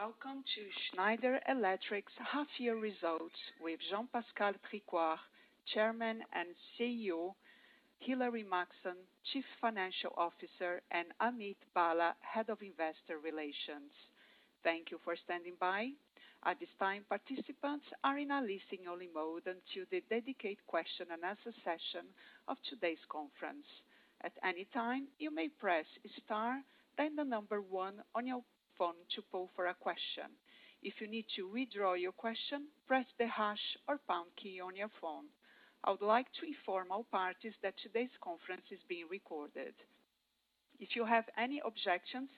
Welcome to Schneider Electric's half-year results with Jean-Pascal Tricoire, Chairman and CEO, Hilary Maxson, Chief Financial Officer, and Amit Bhalla, Head of Investor Relations. Thank you for standing by. At this time, participants are in a listen-only mode until the dedicated question and answer session of today's conference. At any time you may press star and then number one on your phone to book for a question if you need to withdraw your question press hash or bump key on your phone. I would like to inform all parties that today's conference is being recorded. If you have any objections,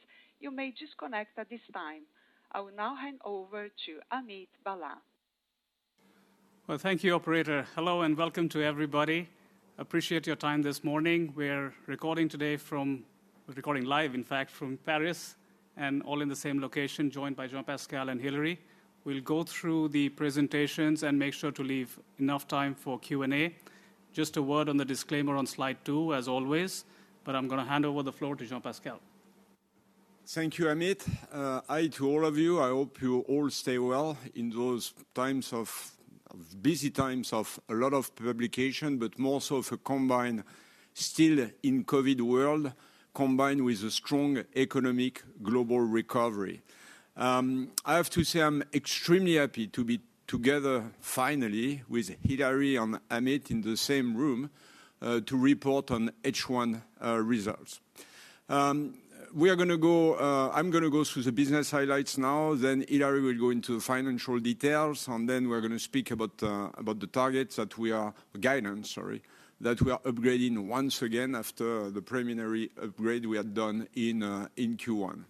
you may disconnect at this time. I will now hand over to Amit Bhalla. Well, thank you, operator. Hello, and welcome to everybody. Appreciate your time this morning. We're recording live, in fact, from Paris, and all in the same location, joined by Jean-Pascal and Hilary. We'll go through the presentations and make sure to leave enough time for Q&A. Just a word on the disclaimer on slide two as always, but I'm going to hand over the floor to Jean-Pascal. Thank you, Amit. Hi to all of you. I hope you all stay well in those busy times of a lot of publication. More so of a combined still in COVID world, combined with a strong economic global recovery. I have to say, I'm extremely happy to be together finally with Hilary and Amit in the same room to report on H1 results. I'm going to go through the business highlights now, then Hilary will go into financial details, and then we're going to speak about the Guidance, sorry, that we are upgrading once again after the preliminary upgrade we had done in Q1.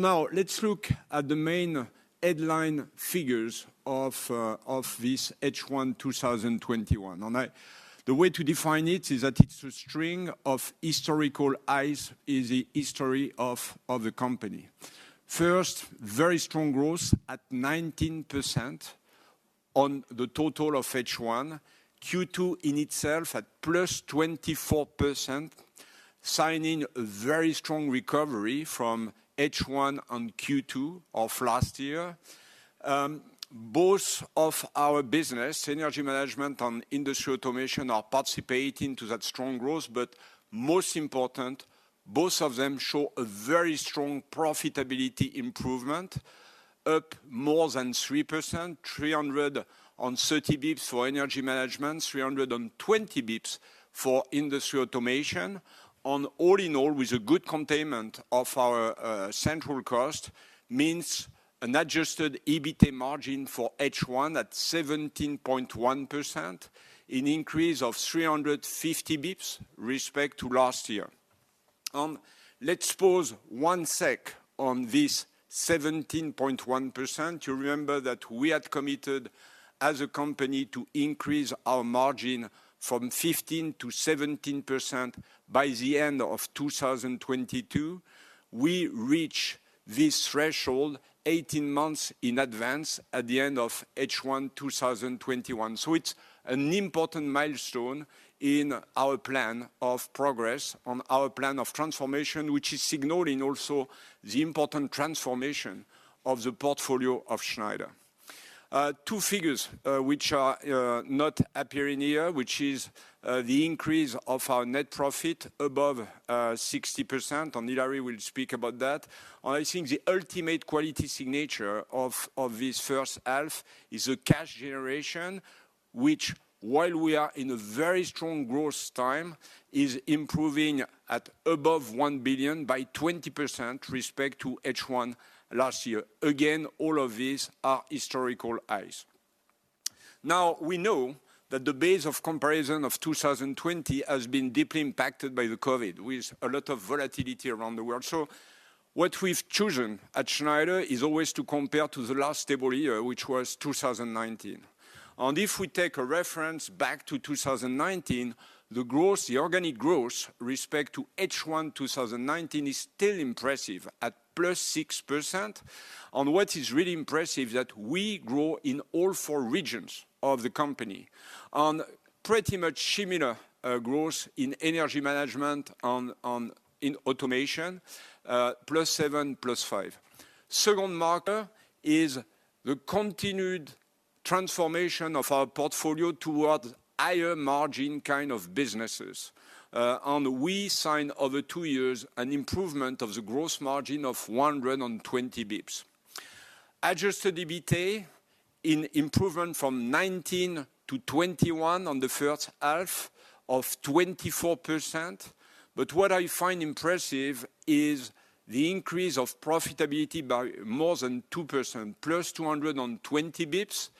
Now let's look at the main headline figures of this H1 2021. The way to define it is that it's a string of historical highs in the history of the company. First, very strong growth at 19% on the total of H1. Q2 in itself at +24%, signing a very strong recovery from H1 on Q2 of last year. Both of our business, Energy Management and Industrial Automation, are participating to that strong growth. Most important, both of them show a very strong profitability improvement, up more than 3%, 300 on 30 basis points for Energy Management, 320 basis points for Industrial Automation. All in all, with a good containment of our central cost means an adjusted EBITA margin for H1 at 17.1%, an increase of 350 basis points respect to last year. Let's pause one second on this 17.1%. You remember that we had committed as a company to increase our margin from 15%-17% by the end of 2022. We reach this threshold 18 months in advance at the end of H1 2021. It's an important milestone in our plan of progress on our plan of transformation, which is signaling also the important transformation of the portfolio of Schneider. Two figures which are not appearing here, which is the increase of our net profit above 60%, and Hilary will speak about that. I think the ultimate quality signature of this H1 is a cash generation, which while we are in a very strong growth time, is improving at above 1 billion by 20% respect to H1 last year. All of these are historical highs. We know that the base of comparison of 2020 has been deeply impacted by the COVID, with a lot of volatility around the world. What we've chosen at Schneider is always to compare to the last stable year, which was 2019. If we take a reference back to 2019, the organic growth respect to H1 2019 is still impressive at +6%. What is really impressive, that we grow in all four regions of the company. On pretty much similar growth in Energy Management in Industrial Automation, +7, +5. Second marker is the continued transformation of our portfolio towards higher margin kind of businesses. We sign over two years an improvement of the gross margin of 120 basis points. Adjusted EBITA in improvement from 2019 to 2021 on the H1 of 24%. What I find impressive is the increase of profitability by more than 2%, +220 basis points.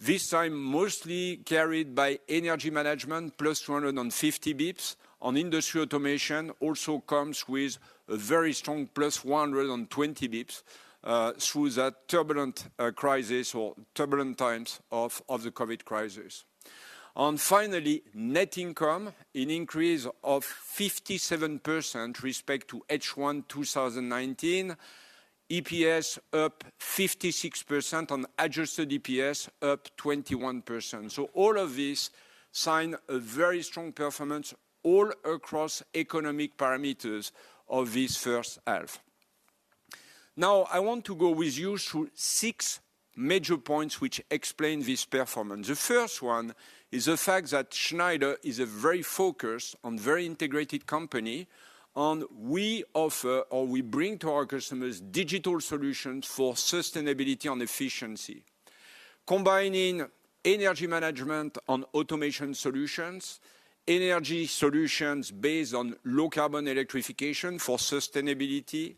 This time, mostly carried by Energy Management, +250 basis points on Industrial Automation, also comes with a very strong +120 basis points, through that turbulent crisis or turbulent times of the COVID-19 crisis. Finally, net income, an increase of 57% respect to H1 2019. EPS up 56% on adjusted EPS up 21%. All of this sign a very strong performance all across economic parameters of this H1. Now, I want to go with you through six major points which explain this performance. The first one is the fact that Schneider is a very focused and very integrated company, and we offer or we bring to our customers digital solutions for sustainability and efficiency, combining Energy Management and Industrial Automation solutions, energy solutions based on low carbon electrification for sustainability,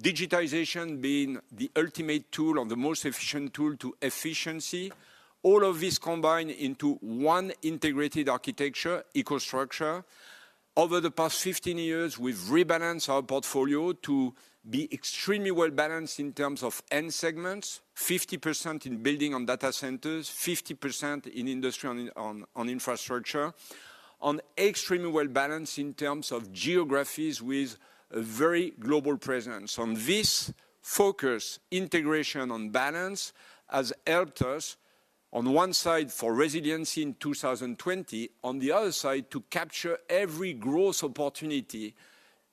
digitization being the ultimate tool or the most efficient tool to efficiency. All of this combined into one integrated architecture, EcoStruxure. Over the past 15 years, we've rebalanced our portfolio to be extremely well-balanced in terms of end segments, 50% in building on data centers, 50% in industry on infrastructure, on extremely well-balanced in terms of geographies with a very global presence. On this focus, integration on balance has helped us on one side for resiliency in 2020, on the other side, to capture every growth opportunity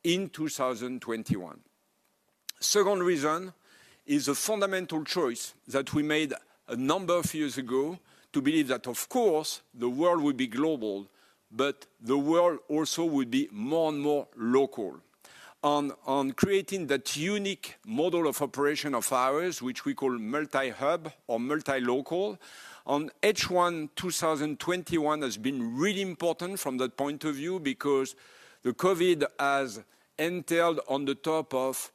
in 2021. Second reason is a fundamental choice that we made a number of years ago to believe that, of course, the world will be global, but the world also will be more and more local. On creating that unique model of operation of ours, which we call multi-hub or multi-local. H1 2021 has been really important from that point of view because the COVID has entailed on the top of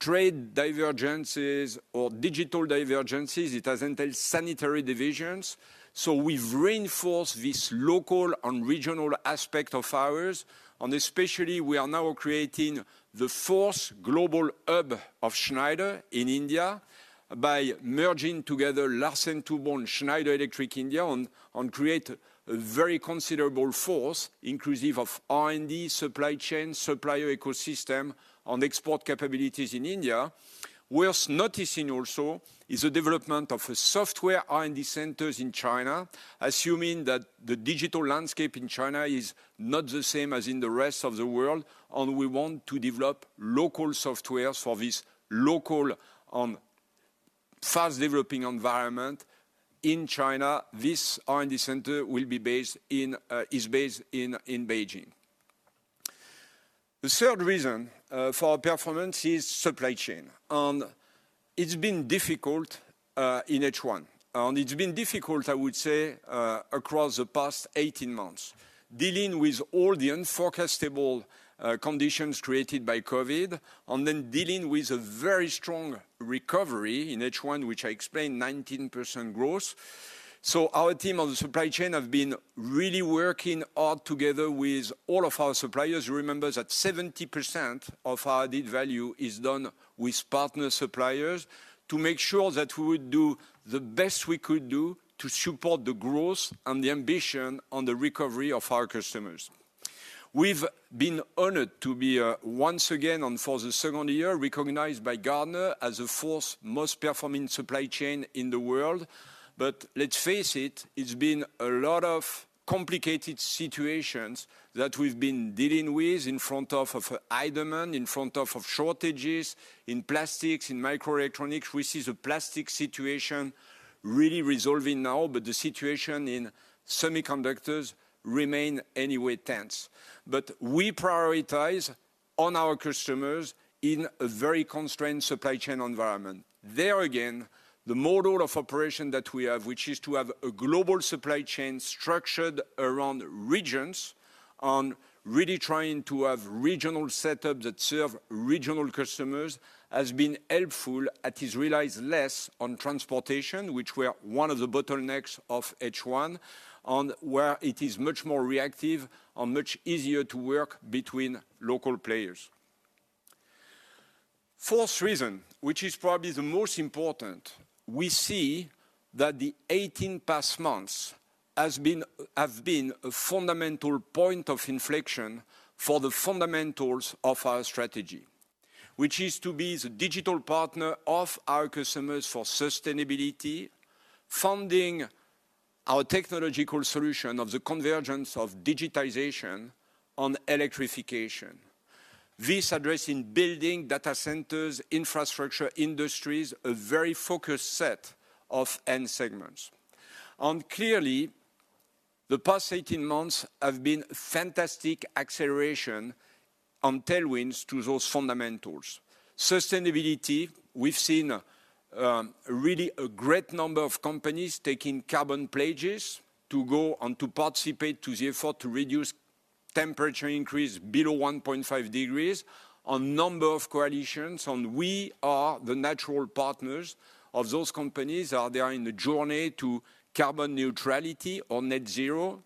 trade divergences or digital divergences, it has entailed sanitary divisions. We've reinforced this local and regional aspect of ours, and especially we are now creating the fourth global hub of Schneider in India by merging together Larsen & Toubro and Schneider Electric India and create a very considerable force, inclusive of R&D, supply chain, supplier ecosystem, and export capabilities in India. Worth noticing also is the development of software R&D centers in China, assuming that the digital landscape in China is not the same as in the rest of the world, and we want to develop local software for this local and fast-developing environment in China. This R&D center is based in Beijing. The third reason for our performance is supply chain, and it's been difficult in H1. It's been difficult, I would say, across the past 18 months, dealing with all the unforecastable conditions created by COVID, dealing with a very strong recovery in H1, which I explained, 19% growth. Our team on the supply chain have been really working hard together with all of our suppliers. Remember that 70% of our added value is done with partner suppliers to make sure that we would do the best we could do to support the growth and the ambition on the recovery of our customers. We've been honored to be, once again, and for the second year, recognized by Gartner as the fourth most performing supply chain in the world. Let's face it's been a lot of complicated situations that we've been dealing with in front of idleness, in front of shortages in plastics, in microelectronics. We see the plastic situation really resolving now, the situation in semiconductors remain anyway tense. We prioritize on our customers in a very constrained supply chain environment. There again, the model of operation that we have, which is to have a global supply chain structured around regions and really trying to have regional setup that serve regional customers, has been helpful, and it relies less on transportation, which were one of the bottlenecks of H1, and where it is much more reactive and much easier to work between local players. Fourth reason, which is probably the most important, we see that the 18 past months have been a fundamental point of inflection for the fundamentals of our strategy, which is to be the digital partner of our customers for sustainability, funding our technological solution of the convergence of digitization on electrification. This addressing building data centers, infrastructure, industries, a very focused set of end segments. Clearly, the past 18 months have been fantastic acceleration and tailwinds to those fundamentals. Sustainability, we've seen really a great number of companies taking carbon pledges to go and to participate to the effort to reduce temperature increase below 1.5 degrees, a number of coalitions, and we are the natural partners of those companies as they are in the journey to carbon neutrality or net zero.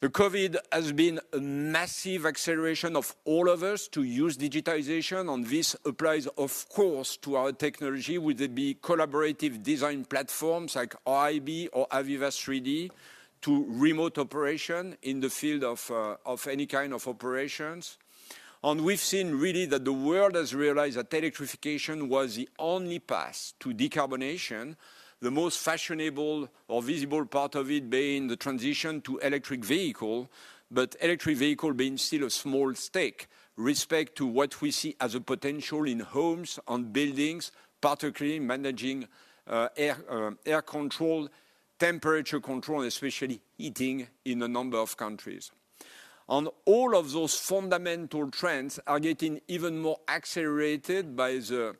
The COVID has been a massive acceleration of all of us to use digitization, and this applies, of course, to our technology, whether it be collaborative design platforms like RIB or AVEVA E3D to remote operation in the field of any kind of operations. We've seen really that the world has realized that electrification was the only path to decarbonization, the most fashionable or visible part of it being the transition to electric vehicle. Electric vehicle being still a small stake respect to what we see as a potential in homes and buildings, particularly managing air control, temperature control, and especially heating in a number of countries. All of those fundamental trends are getting even more accelerated by the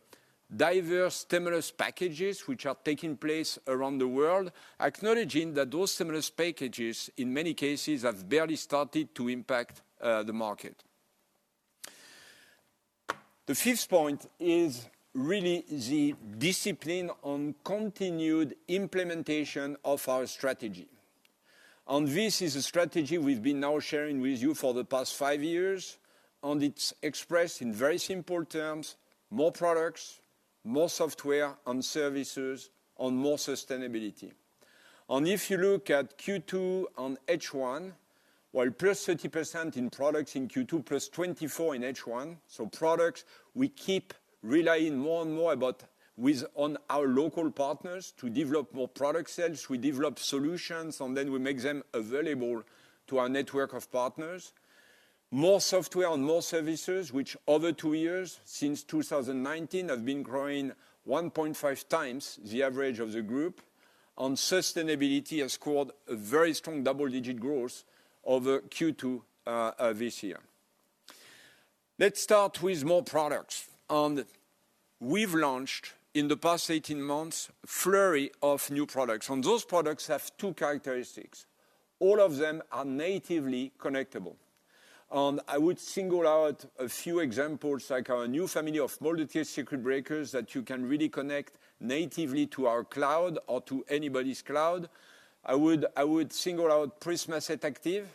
diverse stimulus packages which are taking place around the world, acknowledging that those stimulus packages, in many cases, have barely started to impact the market. The fifth point is really the discipline and continued implementation of our strategy. This is a strategy we've been now sharing with you for the past five years, and it's expressed in very simple terms, more products, more software and services, and more sustainability. If you look at Q2 and H1, while +30% in products in Q2, +24% in H1, so products we keep relying more and more on our local partners to develop more product sales. We develop solutions, and then we make them available to our network of partners. More software and more services, which over two years, since 2019, have been growing 1.5x the average of the group. Sustainability has scored a very strong double-digit growth over Q2 this year. Let's start with more products. We've launched in the past 18 months, flurry of new products. Those products have two characteristics. All of them are natively connectable. I would single out a few examples, like our new family of MasterPact breakers that you can really connect natively to our cloud or to anybody's cloud. I would single out PrismaSeT Active,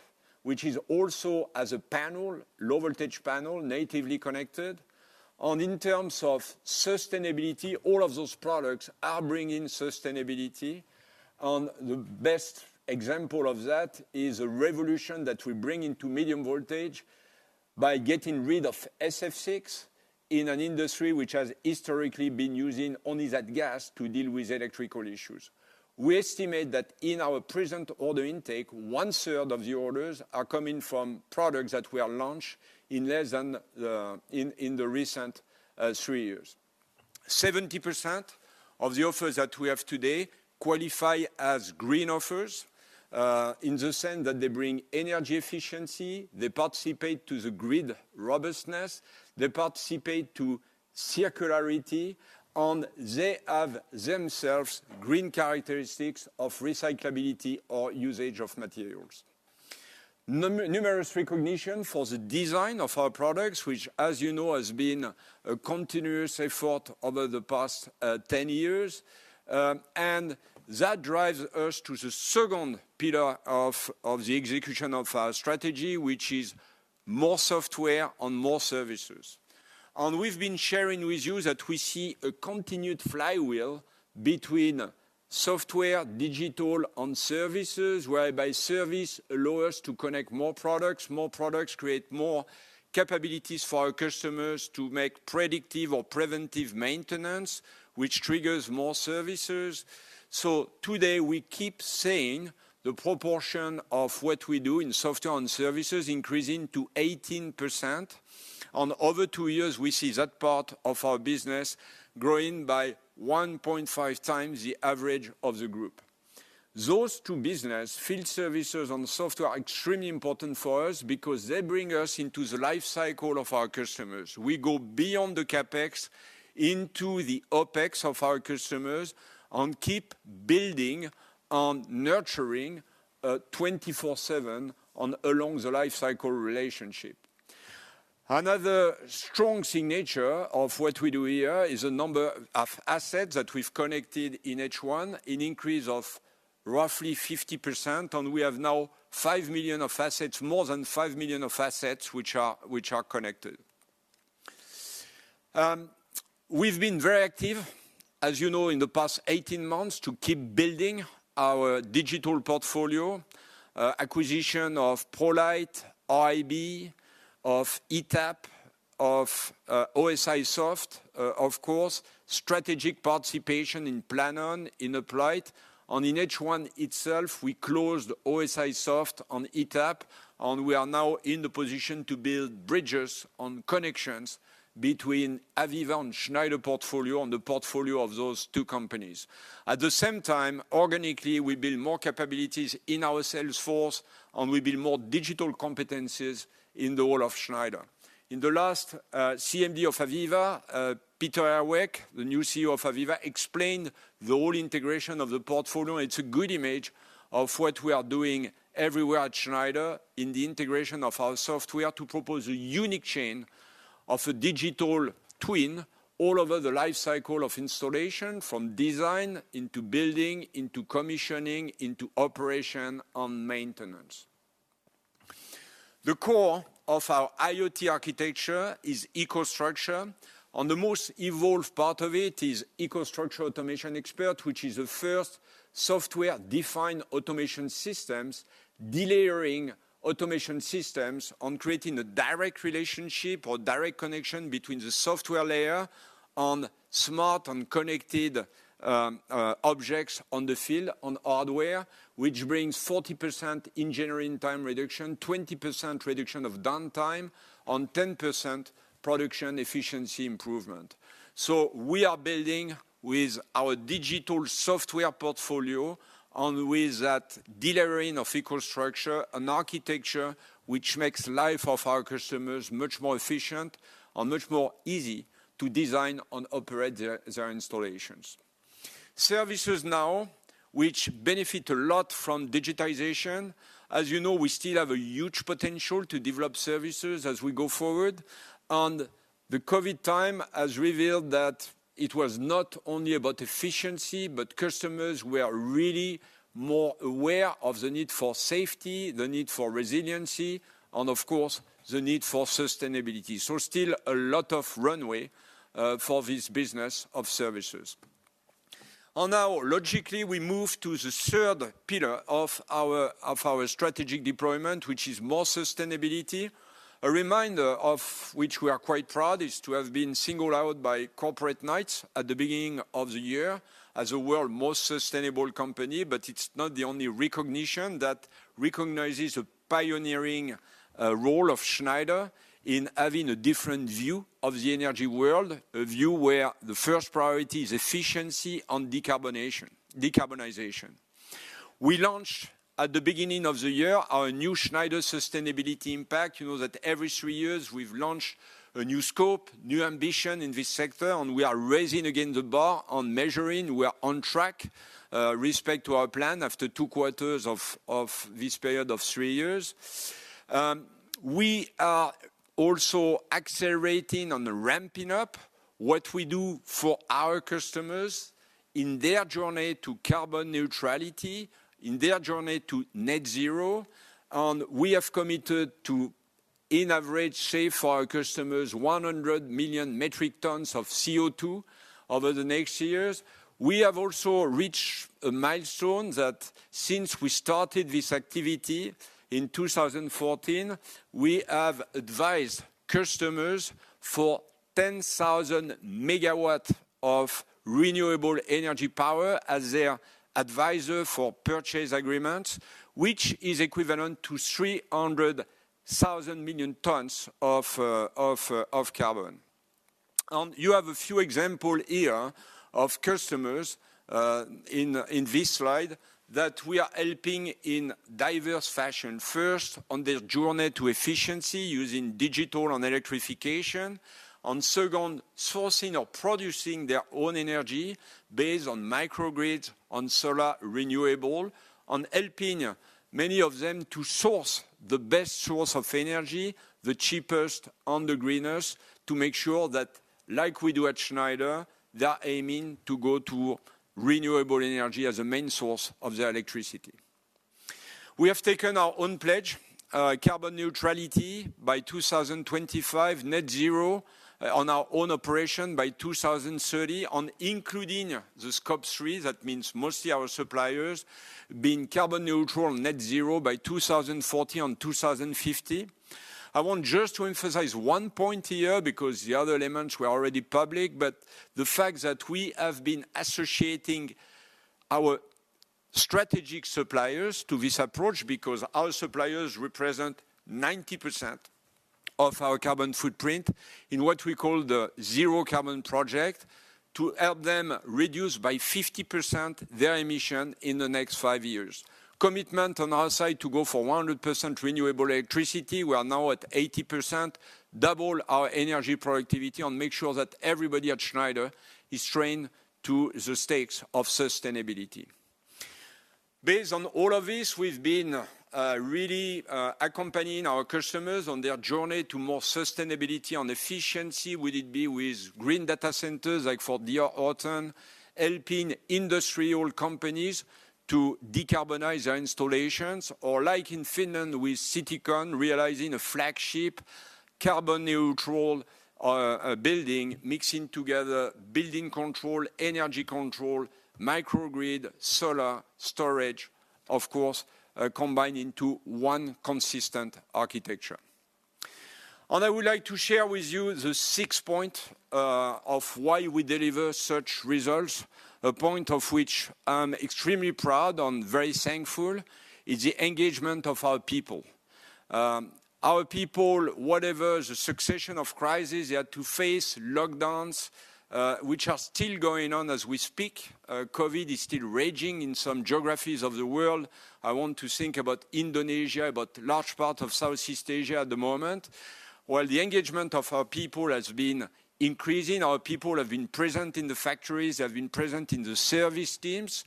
which is also as a panel, low-voltage panel, natively connected. In terms of sustainability, all of those products are bringing sustainability, and the best example of that is a revolution that we bring into medium voltage by getting rid of SF6 in an industry which has historically been using only that gas to deal with electrical issues. We estimate that in our present order intake, one-third of the orders are coming from products that we are launched in the recent three years. 70% of the offers that we have today qualify as green offers, in the sense that they bring energy efficiency, they participate to the grid robustness, they participate to circularity, and they have themselves green characteristics of recyclability or usage of materials. Numerous recognition for the design of our products, which as you know, has been a continuous effort over the past 10 years. That drives us to the second pillar of the execution of our strategy, which is more software and more services. We've been sharing with you that we see a continued flywheel between software, digital, and services, whereby service allow us to connect more products, more products create more capabilities for our customers to make predictive or preventive maintenance, which triggers more services. Today, we keep seeing the proportion of what we do in software and services increasing to 18%. On over two years, we see that part of our business growing by 1.5x the average of the group. Those two business, field services and software, are extremely important for us because they bring us into the life cycle of our customers. We go beyond the CapEx into the OpEx of our customers and keep building and nurturing 24/7 and along the life cycle relationship. Another strong signature of what we do here is the number of assets that we've connected in H1, an increase of roughly 50%, and we have now five million of assets, more than five million of assets, which are connected. We've been very active, as you know, in the past 18 months to keep building our digital portfolio. Acquisition of ProLeiT, RIB, of ETAP, of OSIsoft, of course, strategic participation in Planon, in Uplight. In H1 itself, we closed OSIsoft on ETAP, and we are now in the position to build bridges and connections between AVEVA and Schneider portfolio and the portfolio of those two companies. At the same time, organically, we build more capabilities in our sales force, we build more digital competencies in the whole of Schneider. In the last CMD of AVEVA, Peter Herweck, the new CEO of AVEVA, explained the whole integration of the portfolio. It's a good image of what we are doing everywhere at Schneider in the integration of our software to propose a unique chain of a digital twin all over the life cycle of installation, from design into building, into commissioning, into operation and maintenance. The core of our IoT architecture is EcoStruxure. The most evolved part of it is EcoStruxure Automation Expert, which is the first software-defined automation systems, de-layering automation systems and creating a direct relationship or direct connection between the software layer on smart and connected objects on the field, on hardware, which brings 40% engineering time reduction, 20% reduction of downtime, and 10% production efficiency improvement. We are building with our digital software portfolio and with that de-layering of EcoStruxure, an architecture which makes life of our customers much more efficient and much more easy to design and operate their installations. Services now, which benefit a lot from digitization. As you know, we still have a huge potential to develop services as we go forward, and the COVID time has revealed that it was not only about efficiency, but customers were really more aware of the need for safety, the need for resiliency, and of course, the need for sustainability. Still a lot of runway for this business of services. Now, logically, we move to the third pillar of our strategic deployment, which is more sustainability. A reminder of which we are quite proud is to have been singled out by Corporate Knights at the beginning of the year as a world most sustainable company. It's not the only recognition that recognizes the pioneering role of Schneider in having a different view of the energy world, a view where the first priority is efficiency and decarbonization. We launched at the beginning of the year our new Schneider Sustainability Impact. You know that every three years we've launched a new scope, new ambition in this sector, and we are raising again the bar on measuring. We are on track, respect to our plan after two quarters of this period of three years. We are also accelerating and ramping up what we do for our customers in their journey to carbon neutrality, in their journey to net zero, and we have committed to, in average, save for our customers 100 million metric tons of CO2 over the next years. We have also reached a milestone that since we started this activity in 2014, we have advised customers for 10,000 MW of renewable energy power as their advisor for purchase agreements, which is equivalent to 300,000 million tons of carbon. You have a few example here of customers, in this slide, that we are helping in diverse fashion. First, on their journey to efficiency using digital and electrification. Second, sourcing or producing their own energy based on microgrids, on solar renewable, and helping many of them to source the best source of energy, the cheapest, and the greenest, to make sure that, like we do at Schneider, they are aiming to go to renewable energy as a main source of their electricity. We have taken our own pledge, carbon neutrality by 2025, net zero on our own operation by 2030, including the scope 3, that means mostly our suppliers, being carbon neutral and net zero by 2040 and 2050. I want just to emphasize one point here, because the other elements were already public, but the fact that we have been associating our strategic suppliers to this approach, because our suppliers represent 90% of our carbon footprint in what we call the Zero Carbon Project, to help them reduce by 50% their emission in the next five years. Commitment on our side to go for 100% renewable electricity. We are now at 80%. Double our energy productivity and make sure that everybody at Schneider is trained to the stakes of sustainability. Based on all of this, we've been really accompanying our customers on their journey to more sustainability and efficiency, whether it be with green data centers like for Dior Horton, helping industrial companies to decarbonize their installations, or like in Finland with Citycon, realizing a flagship carbon neutral building, mixing together building control, energy control, microgrid, solar, storage, of course, combined into one consistent architecture. I would like to share with you the six point of why we deliver such results, a point of which I'm extremely proud and very thankful, is the engagement of our people. Our people, whatever the succession of crises they had to face, lockdowns, which are still going on as we speak. COVID is still raging in some geographies of the world. I want to think about Indonesia, about large part of Southeast Asia at the moment. While the engagement of our people has been increasing, our people have been present in the factories, have been present in the service teams.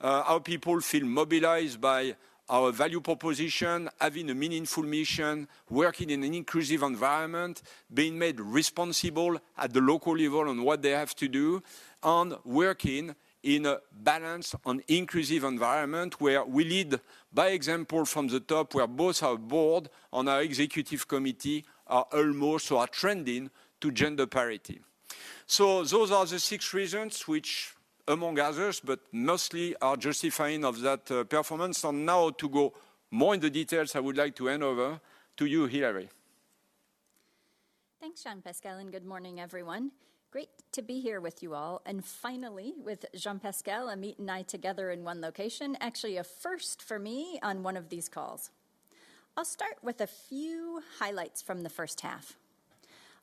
Our people feel mobilized by our value proposition, having a meaningful mission, working in an inclusive environment, being made responsible at the local level on what they have to do, and working in a balanced and inclusive environment where we lead by example from the top, where both our board and our executive committee are almost or are trending to gender parity. Those are the six reasons which, among others, but mostly are justifying of that performance. Now to go more in the details, I would like to hand over to you, Hilary. Thanks, Jean-Pascal, and good morning, everyone. Great to be here with you all, and finally with Jean-Pascal, Amit, and I together in one location. Actually a first for me on one of these calls. I'll start with a few highlights from the H1.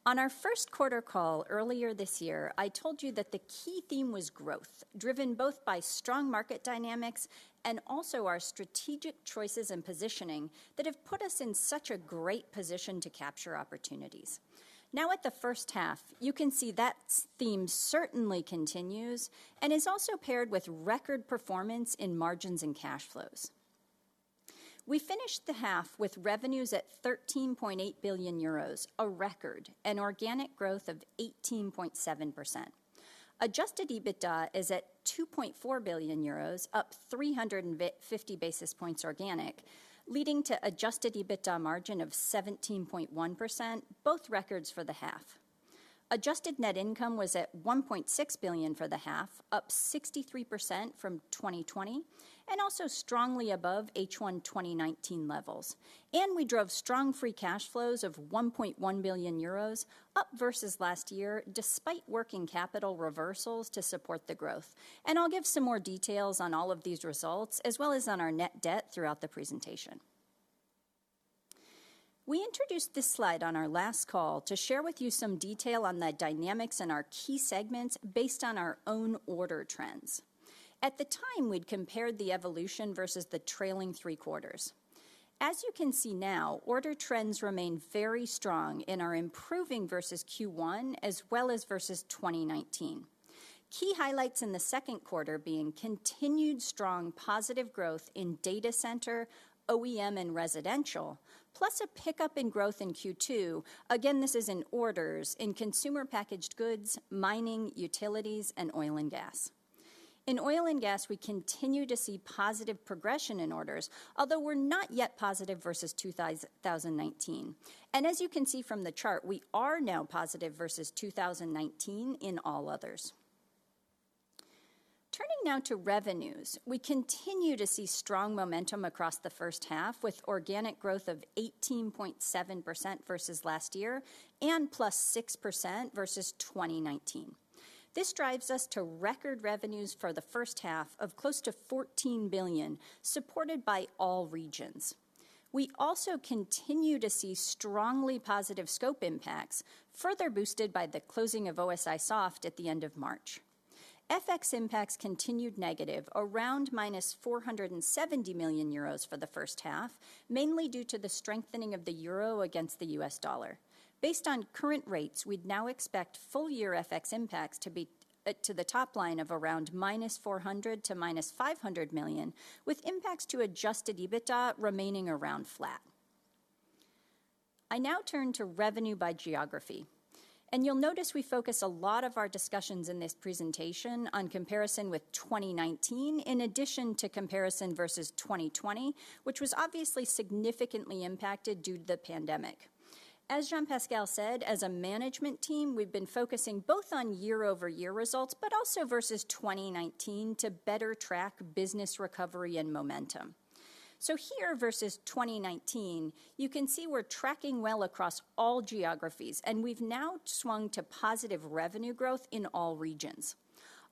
On our Q1 call earlier this year, I told you that the key theme was growth, driven both by strong market dynamics and also our strategic choices and positioning that have put us in such a great position to capture opportunities. Now at the H1, you can see that theme certainly continues and is also paired with record performance in margins and cash flows. We finished the half with revenues at 13.8 billion euros, a record, and organic growth of 18.7%. Adjusted EBITDA is at 2.4 billion euros, up 350 basis points organic, leading to adjusted EBITDA margin of 17.1%, both records for the half. Adjusted net income was at 1.6 billion for the half, up 63% from 2020, also strongly above H1 2019 levels. We drove strong free cash flows of 1.1 billion euros, up versus last year, despite working capital reversals to support the growth. I'll give some more details on all of these results, as well as on our net debt throughout the presentation. We introduced this slide on our last call to share with you some detail on the dynamics in our key segments based on our own order trends. At the time, we'd compared the evolution versus the trailing three quarters. As you can see now, order trends remain very strong and are improving versus Q1 as well as versus 2019. Key highlights in the Q2 being continued strong positive growth in data center, OEM, and residential, plus a pickup in growth in Q2. This is in orders in consumer packaged goods, mining, utilities, and oil and gas. In oil and gas, we continue to see positive progression in orders, although we're not yet positive versus 2019. As you can see from the chart, we are now positive versus 2019 in all others. Turning now to revenues, we continue to see strong momentum across the first half with organic growth of 18.7% versus last year and plus 6% versus 2019. This drives us to record revenues for the first half of close to 14 billion, supported by all regions. We also continue to see strongly positive scope impacts, further boosted by the closing of OSIsoft at the end of March. FX impacts continued negative, around minus 470 million euros for the H1, mainly due to the strengthening of the euro against the US dollar. Based on current rates, we'd now expect full year FX impacts to the top line of around minus 400 million-minus 500 million, with impacts to adjusted EBITDA remaining around flat. I now turn to revenue by geography. You'll notice we focus a lot of our discussions in this presentation on comparison with 2019 in addition to comparison versus 2020, which was obviously significantly impacted due to the pandemic. As Jean-Pascal said, as a management team, we've been focusing both on year-over-year results, but also versus 2019 to better track business recovery and momentum. Here versus 2019, you can see we're tracking well across all geographies, and we've now swung to positive revenue growth in all regions.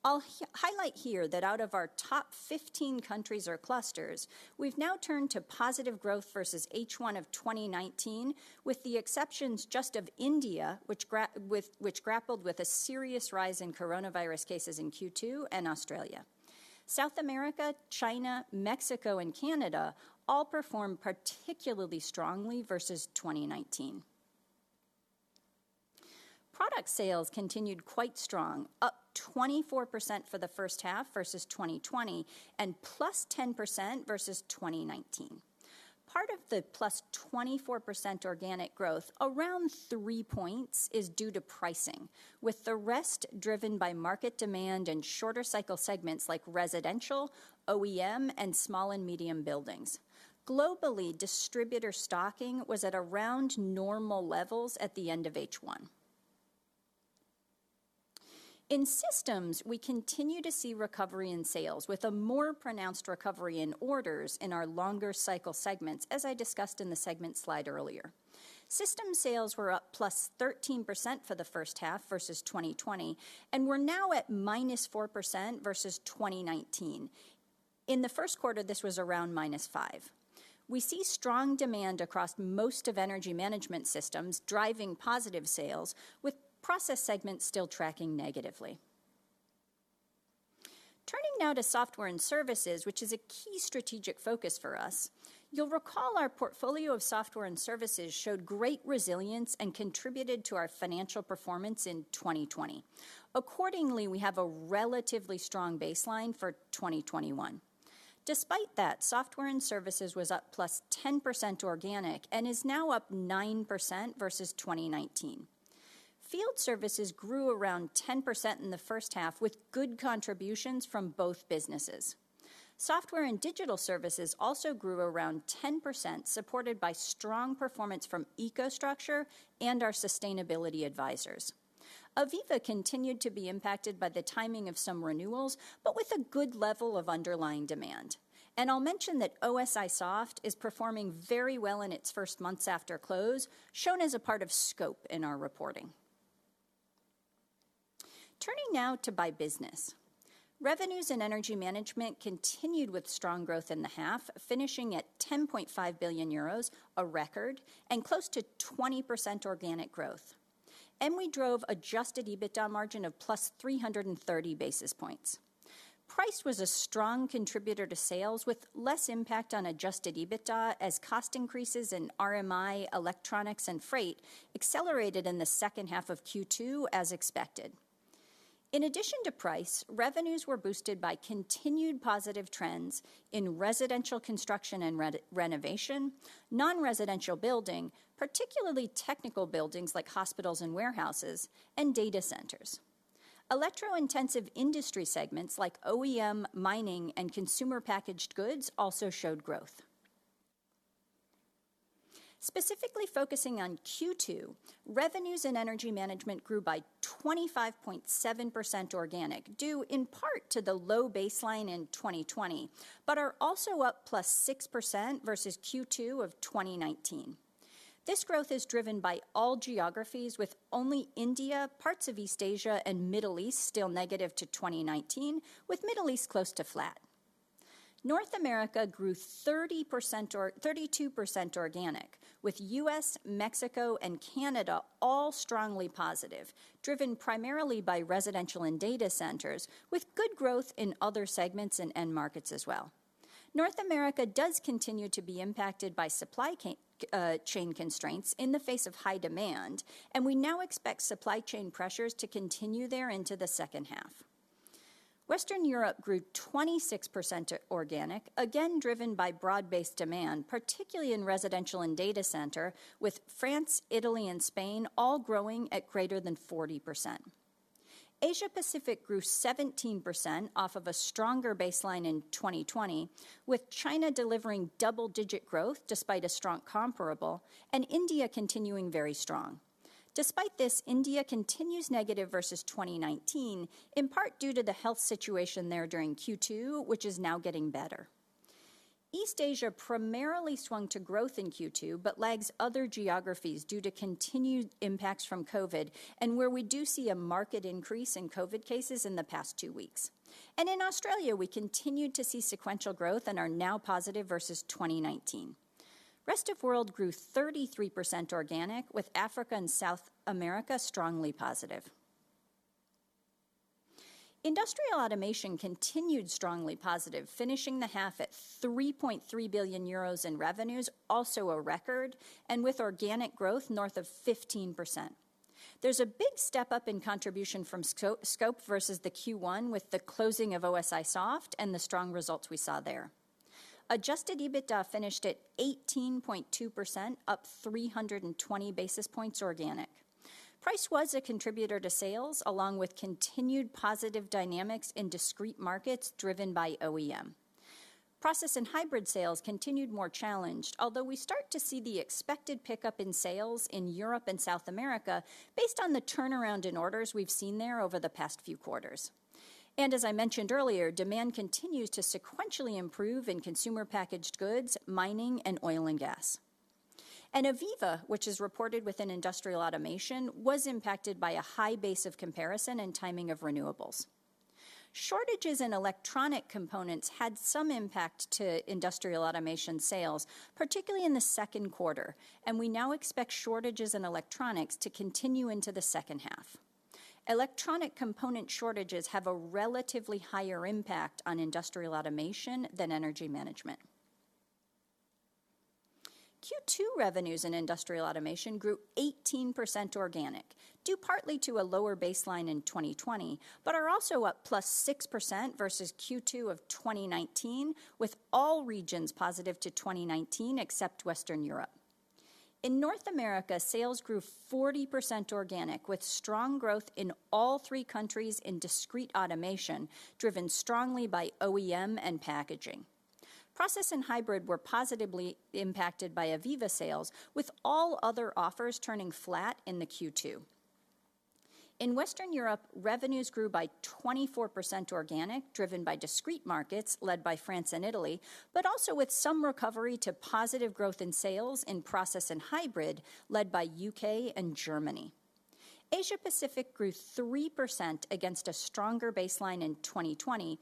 I'll highlight here that out of our top 15 countries or clusters, we've now turned to positive growth versus H1 of 2019, with the exceptions just of India, which grappled with a serious rise in coronavirus cases in Q2, and Australia. South America, China, Mexico, and Canada all performed particularly strongly versus 2019. Product sales continued quite strong, up 24% for the H1 versus 2020, and plus 10% versus 2019. Part of the plus 24% organic growth, around three points, is due to pricing, with the rest driven by market demand and shorter cycle segments like residential, OEM, and small and medium buildings. Globally, distributor stocking was at around normal levels at the end of H1. In systems, we continue to see recovery in sales, with a more pronounced recovery in orders in our longer cycle segments, as I discussed in the segment slide earlier. System sales were up +13% for the H1 versus 2020, and we're now at -4% versus 2019. In the Q1, this was around -5%. We see strong demand across most of Energy Management systems, driving positive sales, with process segments still tracking negatively. Turning now to software and services, which is a key strategic focus for us, you'll recall our portfolio of software and services showed great resilience and contributed to our financial performance in 2020. Accordingly, we have a relatively strong baseline for 2021. Despite that, software and services was up +10% organic and is now up 9% versus 2019. Field services grew around 10% in the H1 with good contributions from both businesses. Software and digital services also grew around 10%, supported by strong performance from EcoStruxure and our sustainability advisors. AVEVA continued to be impacted by the timing of some renewals, but with a good level of underlying demand. I'll mention that OSIsoft is performing very well in its first months after close, shown as a part of scope in our reporting. Turning now to by business. Revenues and Energy Management continued with strong growth in the half, finishing at 10.5 billion euros, a record, and close to 20% organic growth. We drove adjusted EBITDA margin of plus 330 basis points. Price was a strong contributor to sales, with less impact on adjusted EBITDA as cost increases in RMI, electronics, and freight accelerated in the H2 of Q2 as expected. In addition to price, revenues were boosted by continued positive trends in residential construction and renovation, non-residential building, particularly technical buildings like hospitals and warehouses, and data centers. Electro-intensive industry segments like OEM, mining, and consumer packaged goods also showed growth. Specifically focusing on Q2, revenues and Energy Management grew by 25.7% organic, due in part to the low baseline in 2020, but are also up +6% versus Q2 of 2019. This growth is driven by all geographies, with only India, parts of East Asia, and Middle East still negative to 2019, with Middle East close to flat. North America grew 32% organic, with U.S., Mexico, and Canada all strongly positive, driven primarily by residential and data centers, with good growth in other segments and end markets as well. North America does continue to be impacted by supply chain constraints in the face of high demand, and we now expect supply chain pressures to continue there into the H2. Western Europe grew 26% organic, again, driven by broad-based demand, particularly in residential and data center with France, Italy, and Spain all growing at greater than 40%. Asia-Pacific grew 17% off of a stronger baseline in 2020, with China delivering double-digit growth despite a strong comparable, India continuing very strong. Despite this, India continues negative versus 2019, in part due to the health situation there during Q2, which is now getting better. East Asia primarily swung to growth in Q2, lags other geographies due to continued impacts from COVID, where we do see a market increase in COVID cases in the past two weeks. In Australia, we continued to see sequential growth and are now positive versus 2019. Rest of world grew 33% organic, with Africa and South America strongly positive. Industrial Automation continued strongly positive, finishing the half at 3.3 billion euros in revenues, also a record, with organic growth north of 15%. There's a big step-up in contribution from scope versus the Q1 with the closing of OSIsoft and the strong results we saw there. Adjusted EBITDA finished at 18.2%, up 320 basis points organic. Price was a contributor to sales, along with continued positive dynamics in Discrete Automation markets driven by OEM. Process and hybrid sales continued more challenged, although we start to see the expected pickup in sales in Europe and South America based on the turnaround in orders we've seen there over the past few quarters. As I mentioned earlier, demand continues to sequentially improve in consumer packaged goods, mining, and oil and gas. AVEVA, which is reported within Industrial Automation, was impacted by a high base of comparison and timing of renewables. Shortages in electronic components had some impact to Industrial Automation sales, particularly in the Q2. We now expect shortages in electronics to continue into the H2. Electronic component shortages have a relatively higher impact on Industrial Automation than Energy Management. Q2 revenues in Industrial Automation grew 18% organic, due partly to a lower baseline in 2020, but are also up +6% versus Q2 of 2019, with all regions positive to 2019 except Western Europe. In North America, sales grew 40% organic, with strong growth in all three countries in Discrete Automation, driven strongly by OEM and packaging. Process and hybrid were positively impacted by AVEVA sales, with all other offers turning flat in the Q2. In Western Europe, revenues grew by 24% organic, driven by discrete markets led by France and Italy, also with some recovery to positive growth in sales in process and hybrid, led by U.K. and Germany. Asia-Pacific grew 3% against a stronger baseline in 2020.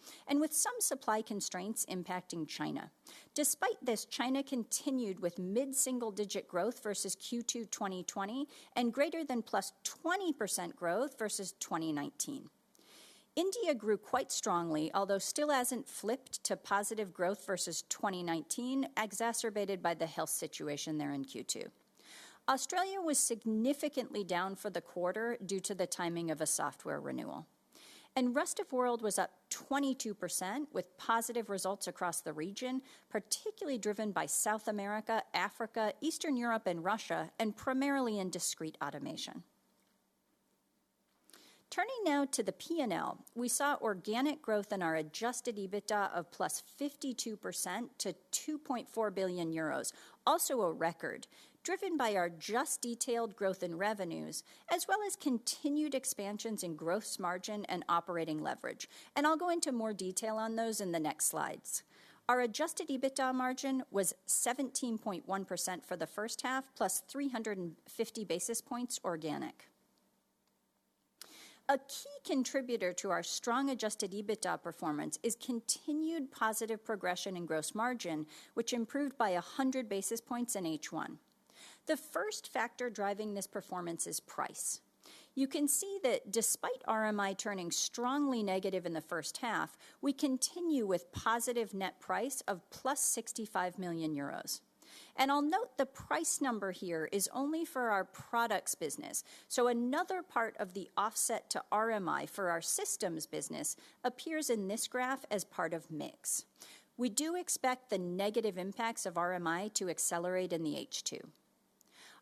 Despite this, China continued with mid-single-digit growth versus Q2 2020 and greater than +20% growth versus 2019. India grew quite strongly, although still hasn't flipped to positive growth versus 2019, exacerbated by the health situation there in Q2. Australia was significantly down for the quarter due to the timing of a software renewal. Rest of world was up 22% with positive results across the region, particularly driven by South America, Africa, Eastern Europe, and Russia, and primarily in Discrete Automation. Turning now to the P&L, we saw organic growth in our adjusted EBITDA of +52% to 2.4 billion euros. Also a record, driven by our just detailed growth in revenues, as well as continued expansions in gross margin and operating leverage. I'll go into more detail on those in the next slides. Our adjusted EBITDA margin was 17.1% for the H1, +350 basis points organic. A key contributor to our strong adjusted EBITDA performance is continued positive progression in gross margin, which improved by 100 basis points in H1. The first factor driving this performance is price. You can see that despite RMI turning strongly negative in the H1, we continue with positive net price of +65 million euros. I'll note the price number here is only for our products business, so another part of the offset to RMI for our systems business appears in this graph as part of mix. We do expect the negative impacts of RMI to accelerate in H2.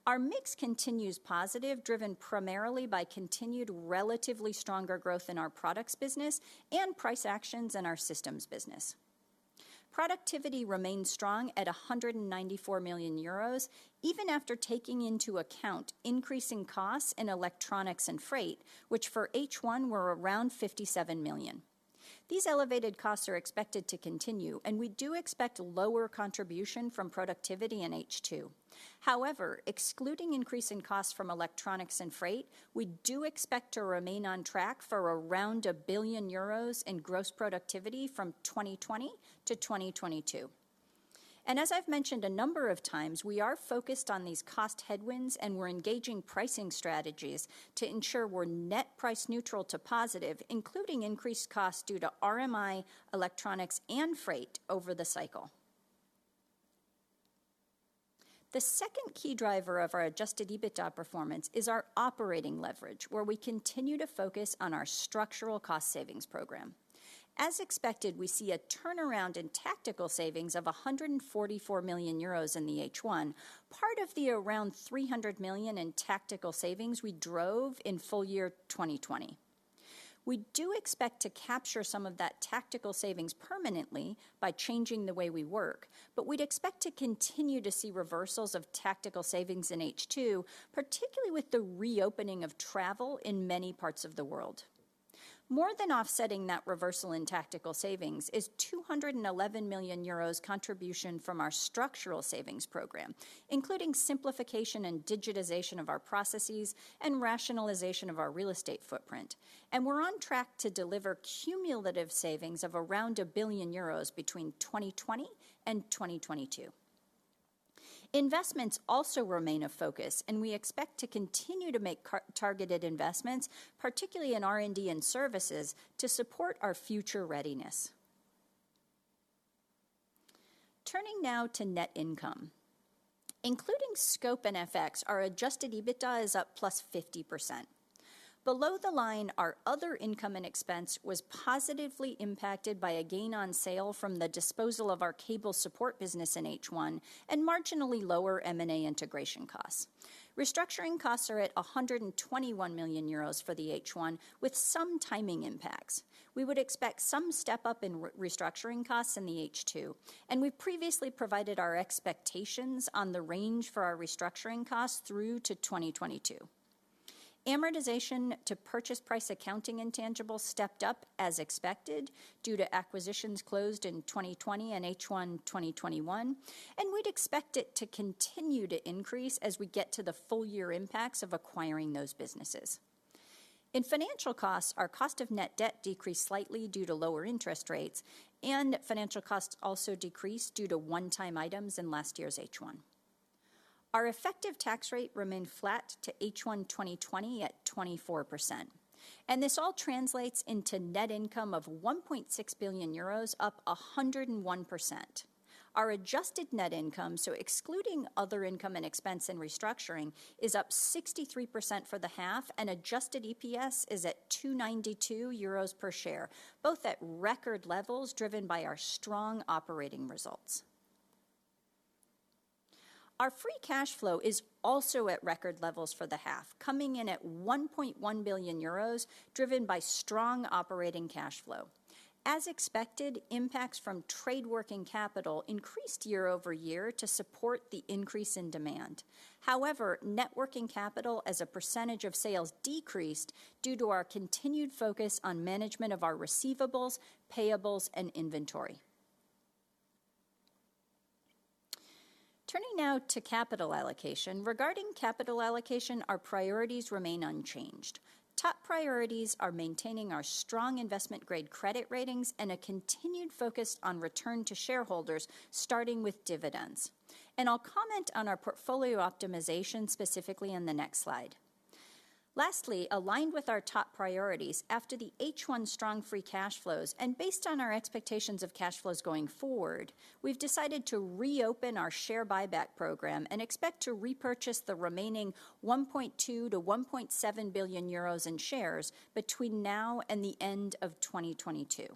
Our mix continues positive, driven primarily by continued relatively stronger growth in our products business and price actions in our systems business. Productivity remains strong at 194 million euros, even after taking into account increasing costs in electronics and freight, which for H1 were around 57 million. These elevated costs are expected to continue. We do expect lower contribution from productivity in H2. However, excluding increasing costs from electronics and freight, we do expect to remain on track for around 1 billion euros in gross productivity from 2020-2022. As I've mentioned a number of times, we are focused on these cost headwinds, and we're engaging pricing strategies to ensure we're net price neutral to positive, including increased costs due to RMI, electronics, and freight over the cycle. The second key driver of our adjusted EBITDA performance is our operating leverage, where we continue to focus on our structural cost savings program. As expected, we see a turnaround in tactical savings of 144 million euros in the H1, part of the around 300 million in tactical savings we drove in full year 2020. We do expect to capture some of that tactical savings permanently by changing the way we work. We'd expect to continue to see reversals of tactical savings in H2, particularly with the reopening of travel in many parts of the world. More than offsetting that reversal in tactical savings is 211 million euros contribution from our structural savings program, including simplification and digitization of our processes and rationalization of our real estate footprint. We're on track to deliver cumulative savings of around 1 billion euros between 2020 and 2022. Investments also remain a focus, and we expect to continue to make targeted investments, particularly in R&D and services, to support our future readiness. Turning now to net income. Including scope and FX, our adjusted EBITDA is up +50%. Below the line, our other income and expense was positively impacted by a gain on sale from the disposal of our cable support business in H1 and marginally lower M&A integration costs. Restructuring costs are at 121 million euros for the H1, with some timing impacts. We would expect some step-up in restructuring costs in the H2, and we've previously provided our expectations on the range for our restructuring costs through to 2022. Amortization to purchase price accounting intangibles stepped up as expected due to acquisitions closed in 2020 and H1 2021, and we'd expect it to continue to increase as we get to the full year impacts of acquiring those businesses. In financial costs, our cost of net debt decreased slightly due to lower interest rates, and financial costs also decreased due to one-time items in last year's H1. Our effective tax rate remained flat to H1 2020 at 24%, and this all translates into net income of 1.6 billion euros, up 101%. Our adjusted net income, excluding other income and expense and restructuring, is up 63% for the half, and adjusted EPS is at 2.92 euros per share, both at record levels driven by our strong operating results. Our free cash flow is also at record levels for the half, coming in at 1.1 billion euros, driven by strong operating cash flow. As expected, impacts from trade working capital increased year-over-year to support the increase in demand. However, net working capital as a percentage of sales decreased due to our continued focus on management of our receivables, payables, and inventory. Turning now to capital allocation. Regarding capital allocation, our priorities remain unchanged. Top priorities are maintaining our strong investment-grade credit ratings and a continued focus on return to shareholders, starting with dividends. I'll comment on our portfolio optimization specifically in the next slide. Lastly, aligned with our top priorities, after the H1 strong free cash flows, based on our expectations of cash flows going forward, we've decided to reopen our share buyback program and expect to repurchase the remaining 1.2 billion-1.7 billion euros in shares between now and the end of 2022.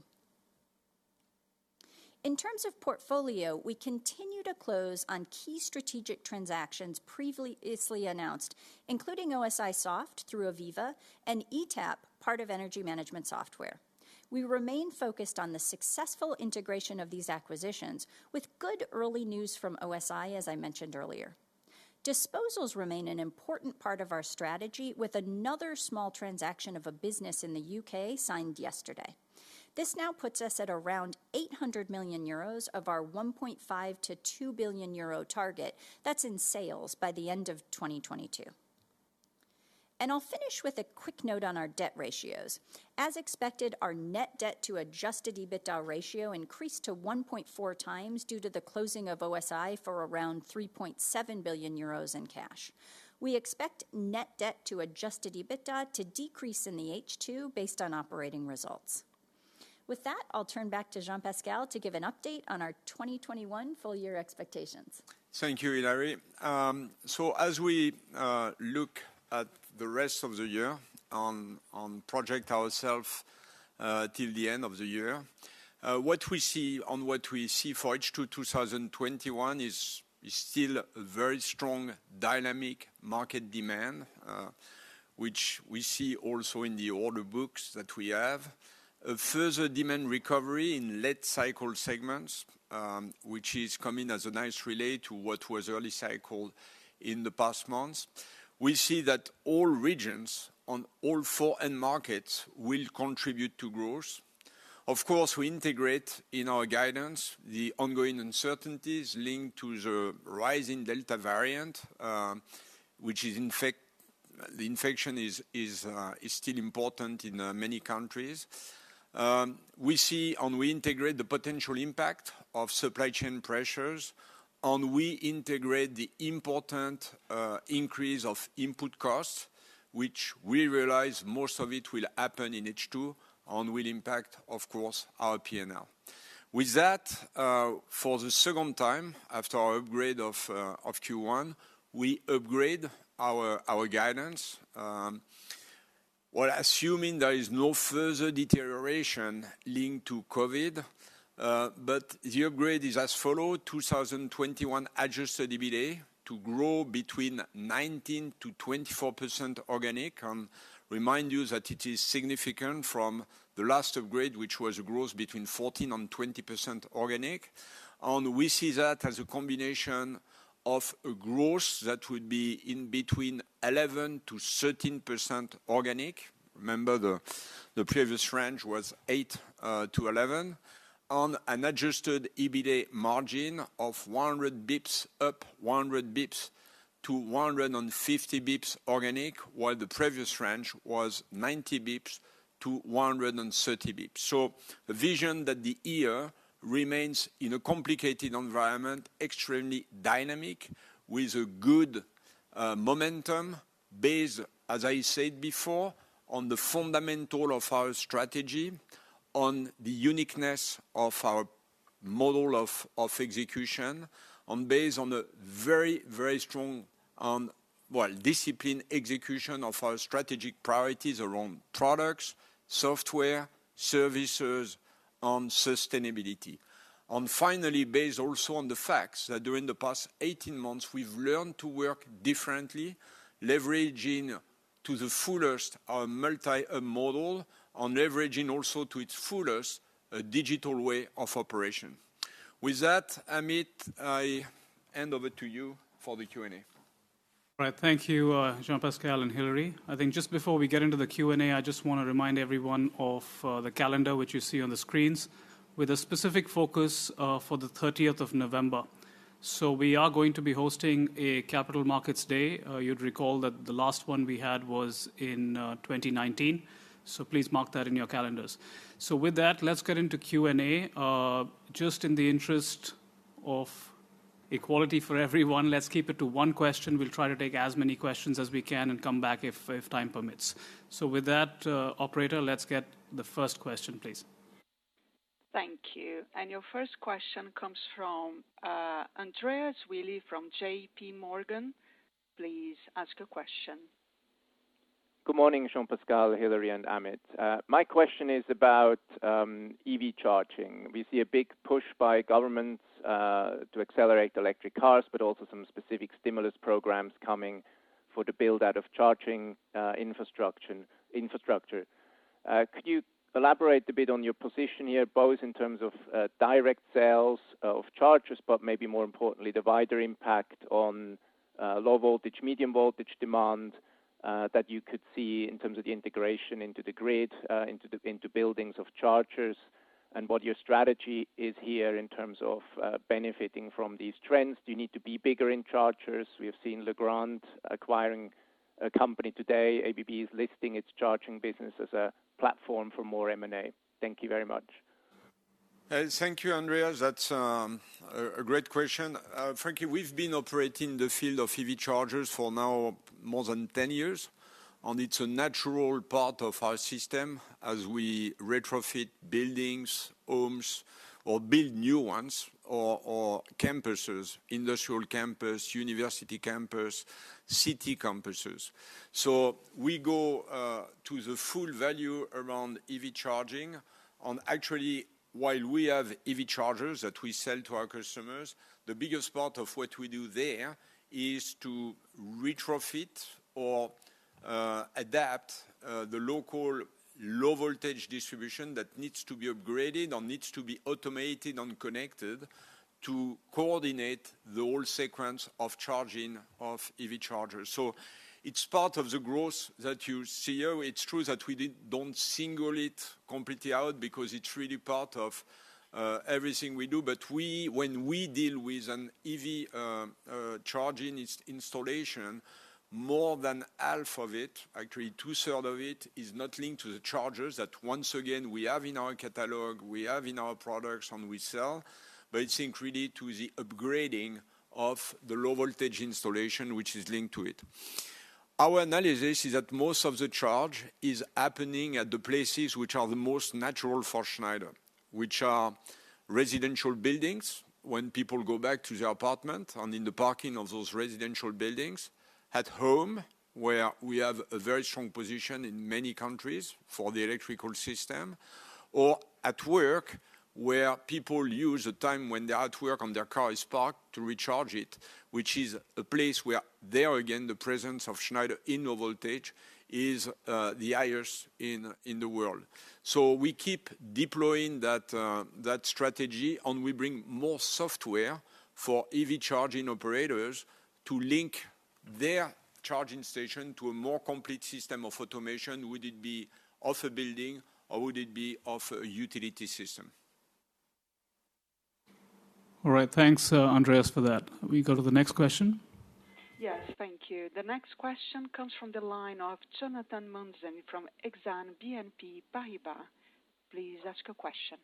In terms of portfolio, we continue to close on key strategic transactions previously announced, including OSIsoft through AVEVA and ETAP, part of Energy Management Software. We remain focused on the successful integration of these acquisitions with good early news from OSI, as I mentioned earlier. Disposals remain an important part of our strategy, with another small transaction of a business in the U.K. signed yesterday. This now puts us at around 800 million euros of our 1.5 billion-2 billion euro target, that's in sales, by the end of 2022. I'll finish with a quick note on our debt ratios. As expected, our net debt to adjusted EBITDA ratio increased to 1.4x due to the closing of OSI for around 3.7 billion euros in cash. We expect net debt to adjusted EBITDA to decrease in the H2 based on operating results. With that, I'll turn back to Jean-Pascal to give an update on our 2021 full year expectations. Thank you, Hilary. As we look at the rest of the year, what we see for H2 2021 is still a very strong dynamic market demand, which we see also in the order books that we have. A further demand recovery in late cycle segments, which is coming as a nice relay to what was early cycle in the past months. We see that all regions on all four end markets will contribute to growth. Of course, we integrate in our guidance the ongoing uncertainties linked to the rising Delta variant, which the infection is still important in many countries. We see and we integrate the potential impact of supply chain pressures, and we integrate the important increase of input costs, which we realize most of it will happen in H2 and will impact, of course, our P&L. With that, for the second time after our upgrade of Q1, we upgrade our guidance, while assuming there is no further deterioration linked to COVID. The upgrade is as follows: 2021 adjusted EBITA to grow between 19% and 24% organic, and remind you that it is significant from the last upgrade, which was a growth between 14% and 20% organic. We see that as a combination of growth that would be in between 11% and 13% organic. Remember, the previous range was 8%-11% on an adjusted EBITA margin of 100 basis points up, 100 basis points-150 basis points organic, while the previous range was 90 basis points-130 basis points. The vision that the year remains in a complicated environment, extremely dynamic with a good momentum based, as I said before, on the fundamental of our strategy, on the uniqueness of our model of execution, and based on a very strong discipline execution of our strategic priorities around products, software, services, and sustainability. Finally, based also on the facts that during the past 18 months, we've learned to work differently, leveraging to the fullest our multi-model and leveraging also to its fullest a digital way of operation. With that, Amit, I hand over to you for the Q&A. All right. Thank you, Jean-Pascal and Hilary. I think just before we get into the Q&A, I just want to remind everyone of the calendar, which you see on the screens, with a specific focus for the 30th of November. We are going to be hosting a capital markets day. You'd recall that the last one we had was in 2019, please mark that in your calendars. With that, let's get into Q&A. Just in the interest of equality for everyone, let's keep it to one question. We'll try to take as many questions as we can and come back if time permits. With that, operator, let's get the first question, please. Thank you. Your first question comes from Andreas Willi from JPMorgan. Please ask your question. Good morning, Jean-Pascal, Hilary, and Amit. My question is about EV charging. We see a big push by governments to accelerate electric cars, also some specific stimulus programs coming for the build-out of charging infrastructure. Could you elaborate a bit on your position here, both in terms of direct sales of chargers, maybe more importantly, the wider impact on low voltage, medium voltage demand, that you could see in terms of the integration into the grid, into buildings of chargers, and what your strategy is here in terms of benefiting from these trends? Do you need to be bigger in chargers? We have seen Legrand acquiring a company today. ABB is listing its charging business as a platform for more M&A. Thank you very much. Thank you, Andreas. That's a great question. Frankly, we've been operating in the field of EV chargers for now more than 10 years. It's a natural part of our system as we retrofit buildings, homes, or build new ones or campuses, industrial campus, university campus, city campuses. We go to the full value around EV charging, actually, while we have EV chargers that we sell to our customers, the biggest part of what we do there is to retrofit or adapt the local low-voltage distribution that needs to be upgraded or needs to be automated and connected to coordinate the whole sequence of charging of EV chargers. It's part of the growth that you see here. It's true that we don't single it completely out because it's really part of everything we do. When we deal with an EV charging installation, more than half of it, actually two-thirds of it, is not linked to the chargers that, once again, we have in our catalog, we have in our products, and we sell. It's linked really to the upgrading of the low-voltage installation, which is linked to it. Our analysis is that most of the charge is happening at the places which are the most natural for Schneider, which are residential buildings, when people go back to their apartment and in the parking of those residential buildings. At home, where we have a very strong position in many countries for the electrical system, or at work, where people use the time when they are at work and their car is parked to recharge it, which is a place where there, again, the presence of Schneider in low voltage is the highest in the world. We keep deploying that strategy and we bring more software for EV charging operators to link their charging station to a more complete system of automation, would it be of a building or would it be of a utility system. All right. Thanks, Andreas, for that. Can we go to the next question? Yes. Thank you. The next question comes from the line of Jonathan Mounsey from Exane BNP Paribas. Please ask your question.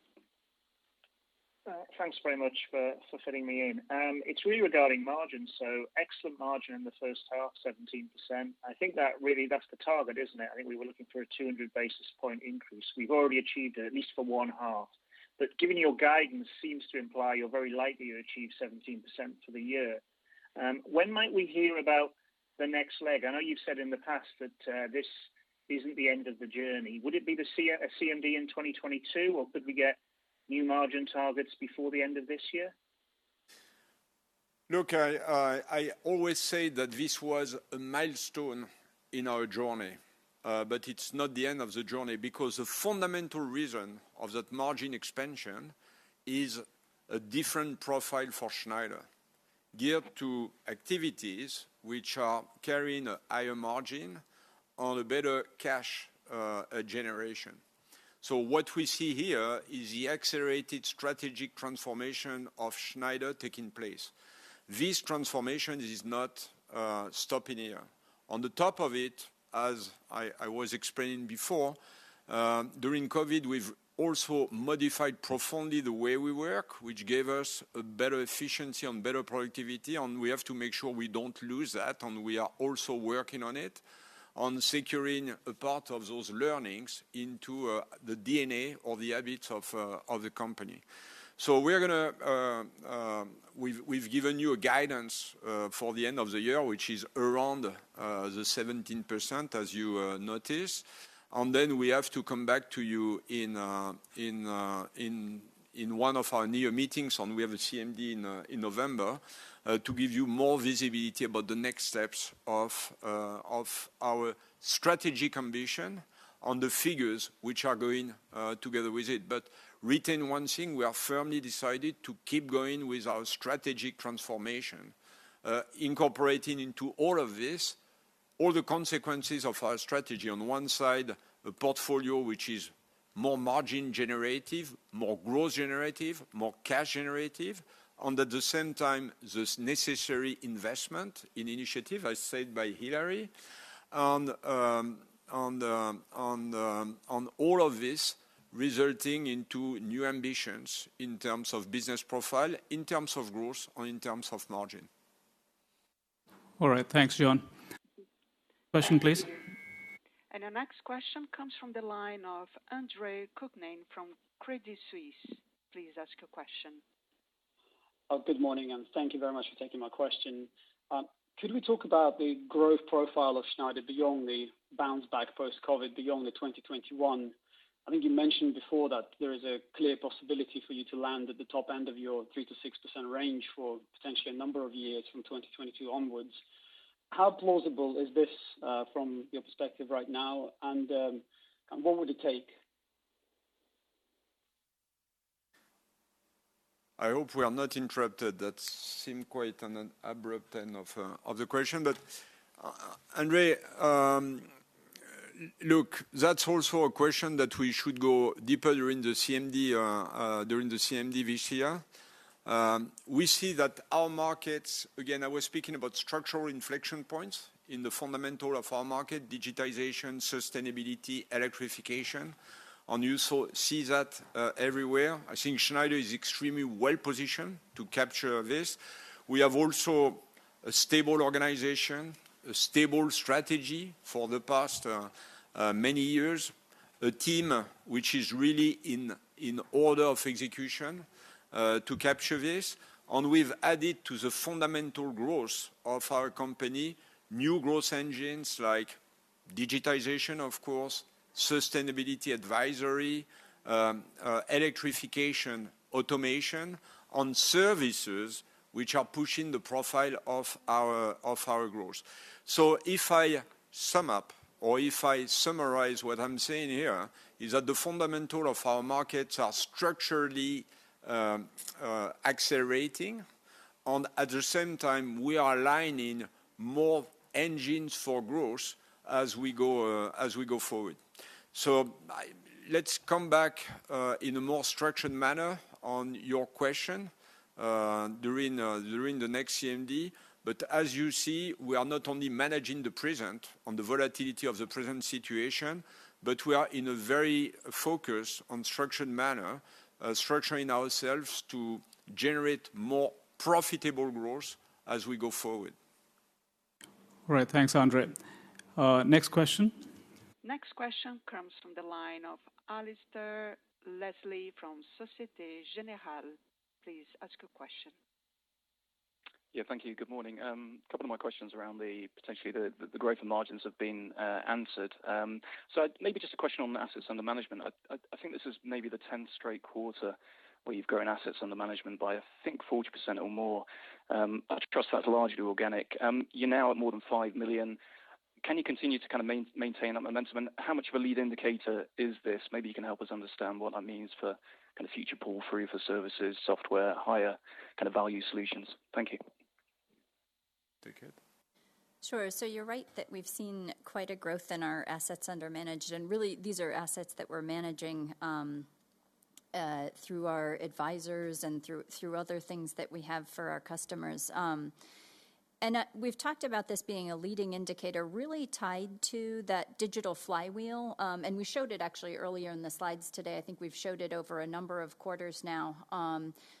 Thanks very much for fitting me in. It's really regarding margins. Excellent margin in the H1, 17%. I think that really that's the target, isn't it? I think we were looking for a 200 basis point increase. We've already achieved it, at least for one half. Giving your guidance seems to imply you're very likely to achieve 17% for the year. When might we hear about the next leg? I know you've said in the past that this isn't the end of the journey. Would it be a CMD in 2022, or could we get new margin targets before the end of this year? Look, I always say that this was a milestone in our journey. It's not the end of the journey, because the fundamental reason of that margin expansion is a different profile for Schneider, geared to activities which are carrying a higher margin on a better cash generation. What we see here is the accelerated strategic transformation of Schneider taking place. This transformation is not stopping here. On the top of it, as I was explaining before, during COVID, we've also modified profoundly the way we work, which gave us a better efficiency and better productivity, and we have to make sure we don't lose that. We are also working on it, on securing a part of those learnings into the DNA or the habits of the company. We've given you a guidance for the end of the year, which is around the 17%, as you noticed. We have to come back to you in one of our new year meetings, and we have a CMD in November, to give you more visibility about the next steps of our strategy combination on the figures which are going together with it. Retain one thing, we are firmly decided to keep going with our strategy transformation, incorporating into all of this all the consequences of our strategy. On one side, a portfolio which is more margin generative, more growth generative, more cash generative. At the same time, this necessary investment in initiative, as said by Hilary. All of this resulting into new ambitions in terms of business profile, in terms of growth, or in terms of margin. All right. Thanks, John. Question, please. Thank you. Our next question comes from the line of Andre Kukhnin from Credit Suisse. Please ask your question. Good morning, and thank you very much for taking my question. Could we talk about the growth profile of Schneider beyond the bounce back post-COVID, beyond the 2021? I think you mentioned before that there is a clear possibility for you to land at the top end of your 3%-6% range for potentially a number of years from 2022 onwards. How plausible is this from your perspective right now, and what would it take? I hope we are not interrupted. That seemed quite an abrupt end of the question. Andre, look, that's also a question that we should go deeper during the CMD this year. We see that our markets, again, I was speaking about structural inflection points in the fundamental of our market, digitization, sustainability, electrification, and you see that everywhere. I think Schneider is extremely well-positioned to capture this. We have also a stable organization, a stable strategy for the past many years. A team which is really in order of execution to capture this. We've added to the fundamental growth of our company, new growth engines like digitization, of course, sustainability advisory, electrification, automation on services which are pushing the profile of our growth. If I summarize what I'm saying here, is that the fundamentals of our markets are structurally accelerating, and at the same time, we are aligning more engines for growth as we go forward. Let's come back in a more structured manner on your question during the next CMD. As you see, we are not only managing the present and the volatility of the present situation, but we are in a very focused and structured manner, structuring ourselves to generate more profitable growth as we go forward. All right. Thanks, Andre. Next question. Next question comes from the line of Alasdair Leslie from Societe Generale. Please ask your question. Yeah, thank you. Good morning. A couple of my questions around potentially the growth and margins have been answered. Maybe just a question on assets under management. I think this is maybe the 10th straight quarter where you've grown assets under management by, I think, 40% or more. I trust that's largely organic. You're now at more than five million. Can you continue to maintain that momentum, and how much of a lead indicator is this? Maybe you can help us understand what that means for future pull-through for services, software, higher value solutions. Thank you. Okay. Sure. You're right that we've seen quite a growth in our assets under management, and really, these are assets that we're managing through our advisors and through other things that we have for our customers. We've talked about this being a leading indicator really tied to that digital flywheel. We showed it actually earlier in the slides today. I think we've showed it over a number of quarters now.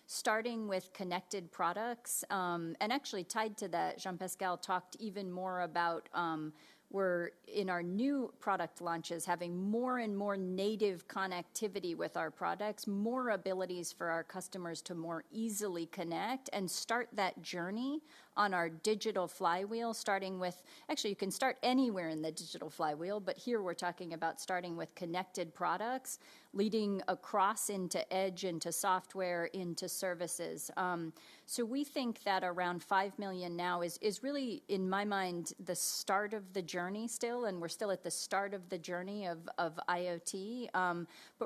Starting with connected products, and actually tied to that, Jean-Pascal talked even more about where, in our new product launches, having more and more native connectivity with our products, more abilities for our customers to more easily connect and start that journey on our digital flywheel. Actually, you can start anywhere in the digital flywheel, but here we're talking about starting with connected products, leading across into edge, into software, into services. We think that around five million now is really, in my mind, the start of the journey still, and we're still at the start of the journey of IoT.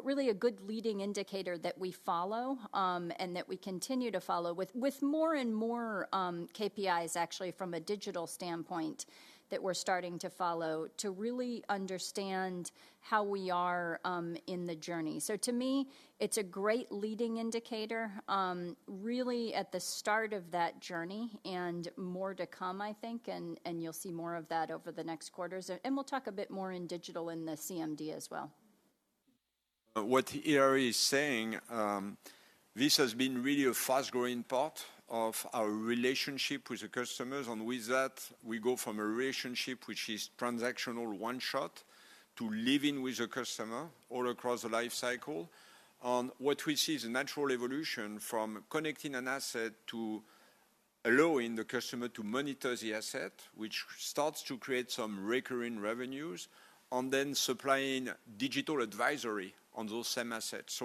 Really a good leading indicator that we follow, and that we continue to follow with more and more KPIs actually from a digital standpoint that we're starting to follow to really understand how we are in the journey. To me, it's a great leading indicator, really at the start of that journey and more to come, I think, and you'll see more of that over the next quarters. We'll talk a bit more in digital in the CMD as well. What Hilary is saying, this has been really a fast-growing part of our relationship with the customers, and with that, we go from a relationship which is transactional one shot, to living with the customer all across the life cycle. What we see is a natural evolution from connecting an asset to allowing the customer to monitor the asset, which starts to create some recurring revenues, and then supplying digital advisory on those same assets.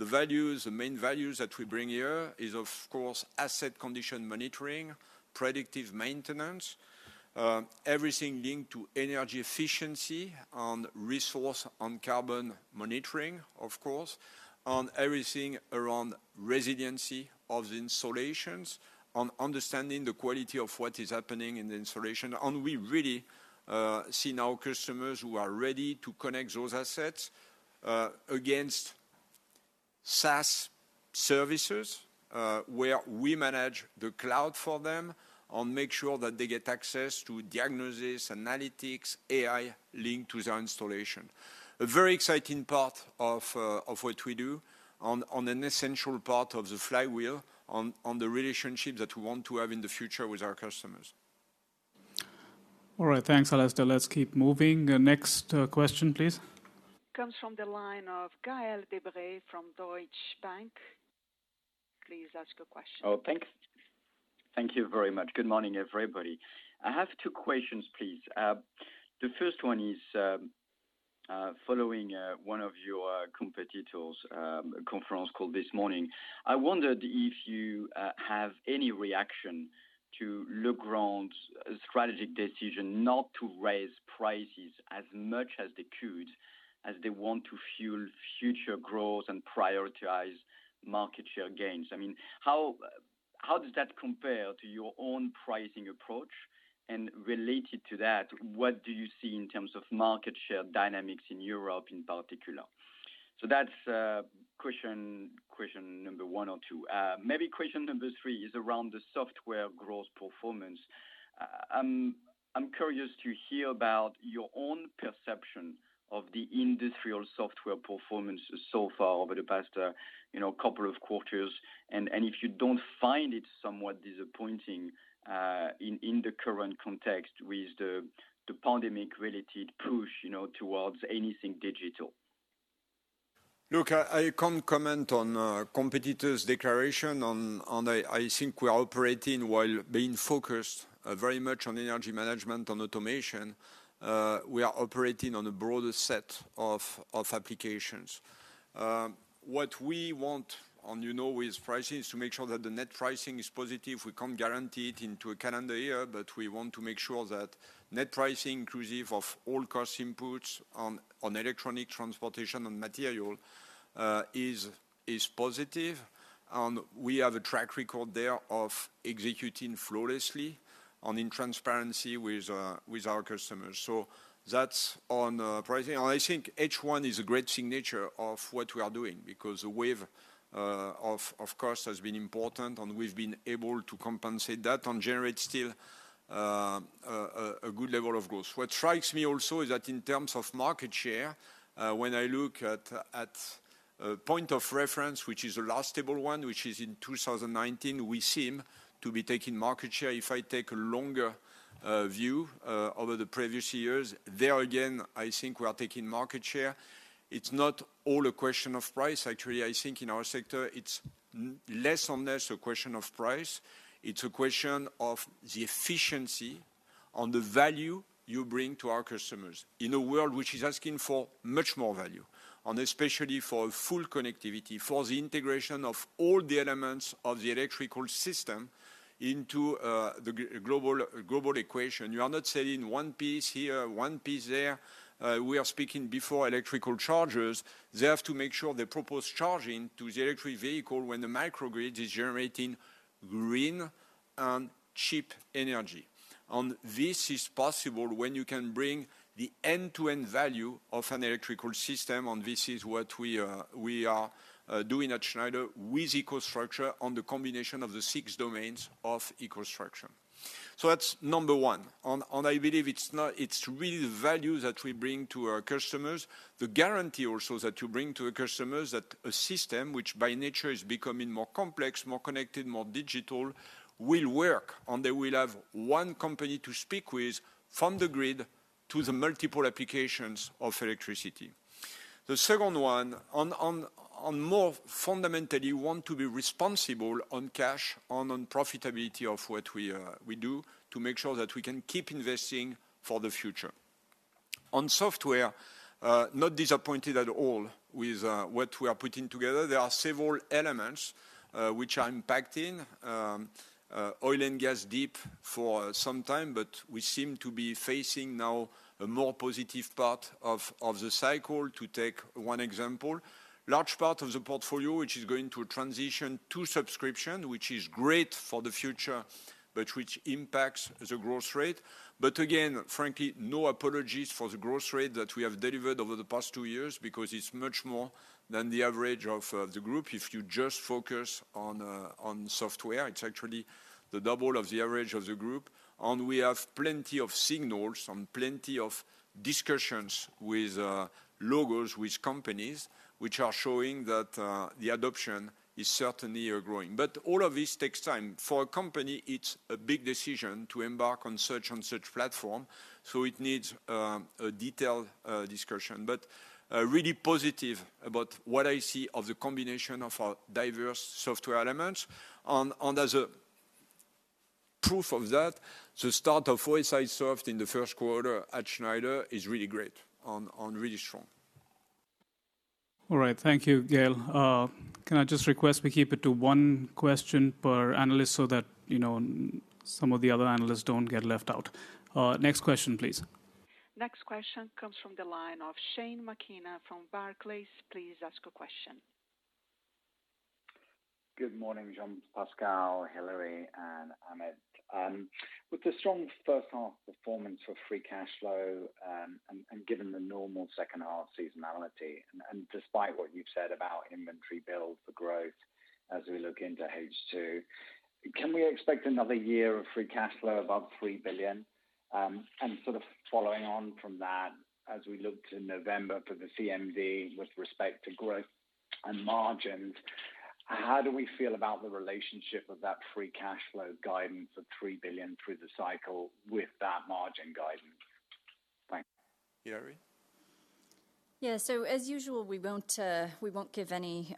The main values that we bring here is, of course, asset condition monitoring, predictive maintenance, everything linked to energy efficiency and resource and carbon monitoring, of course, and everything around resiliency of the installations, and understanding the quality of what is happening in the installation. We really see now customers who are ready to connect those assets against SaaS services, where we manage the cloud for them and make sure that they get access to diagnosis, analytics, AI linked to their installation. A very exciting part of what we do and an essential part of the flywheel on the relationship that we want to have in the future with our customers. All right. Thanks, Alasdair. Let's keep moving. Next question, please. Comes from the line of Gaël de Bray from Deutsche Bank. Please ask your question. Oh, thanks. Thank you very much. Good morning, everybody. I have two questions, please. The first one is, following one of your competitors' conference call this morning, I wondered if you have any reaction to Legrand's strategic decision not to raise prices as much as they could, as they want to fuel future growth and prioritize market share gains. How does that compare to your own pricing approach? Related to that, what do you see in terms of market share dynamics in Europe in particular? That's question number one of two. Maybe question number three is around the software growth performance. I'm curious to hear about your own perception of the industrial software performance so far over the past couple of quarters, and if you don't find it somewhat disappointing, in the current context with the pandemic-related push towards anything digital. Look, I can't comment on a competitor's declaration. I think we are operating while being focused very much on Energy Management, on automation. We are operating on a broader set of applications. What we want with pricing is to make sure that the net pricing is positive. We can't guarantee it into a calendar year. We want to make sure that net pricing, inclusive of all cost inputs on electronic transportation and material, is positive. We have a track record there of executing flawlessly and in transparency with our customers. That's on pricing. I think H1 is a great signature of what we are doing because the wave of costs has been important, and we've been able to compensate that and generate still a good level of growth. What strikes me also is that in terms of market share, when I look at point of reference, which is a lastable one, which is in 2019, we seem to be taking market share. If I take a longer view over the previous years, there again, I think we are taking market share. It's not all a question of price. Actually, I think in our sector it's less and less a question of price. It's a question of the efficiency and the value you bring to our customers in a world which is asking for much more value, and especially for full connectivity, for the integration of all the elements of the electrical system into the global equation. You are not selling one piece here, one piece there. We are speaking before electrical chargers. They have to make sure they propose charging to the electric vehicle when the microgrid is generating green and cheap energy. This is possible when you can bring the end-to-end value of an electrical system, and this is what we are doing at Schneider Electric with EcoStruxure on the combination of the six domains of EcoStruxure. That's number one, and I believe it's really the value that we bring to our customers, the guarantee also that you bring to the customers that a system which by nature is becoming more complex, more connected, more digital, will work, and they will have one company to speak with from the grid to the multiple applications of electricity. The second one, on more fundamental, you want to be responsible on cash, on profitability of what we do to make sure that we can keep investing for the future. On software, not disappointed at all with what we are putting together. There are several elements which are impacting oil and gas deep for some time. We seem to be facing now a more positive part of the cycle, to take one example. Large part of the portfolio, which is going to transition to subscription, which is great for the future, but which impacts the growth rate. Again, frankly, no apologies for the growth rate that we have delivered over the past two years because it's much more than the average of the group. If you just focus on software, it's actually the double of the average of the group, and we have plenty of signals and plenty of discussions with logos, with companies, which are showing that the adoption is certainly growing. All of this takes time. For a company, it's a big decision to embark on such and such platform, so it needs a detailed discussion. Really positive about what I see of the combination of our diverse software elements. As a proof of that, the start of OSIsoft in the Q1 at Schneider is really great and really strong. All right. Thank you, Gaël. Can I just request we keep it to one question per analyst so that some of the other analysts don't get left out? Next question, please. Next question comes from the line of Shane McKenna from Barclays. Please ask a question. Good morning, Jean-Pascal, Hilary, and Amit. With the strong first half performance for free cash flow, and given the normal second half seasonality, and despite what you've said about inventory build for growth as we look into H2, can we expect another year of free cash flow above 3 billion? Sort of following on from that, as we look to November for the CMD with respect to growth and margins, how do we feel about the relationship of that free cash flow guidance of 3 billion through the cycle with that margin guidance? Thanks. Hilary? Yeah. As usual, we won't give any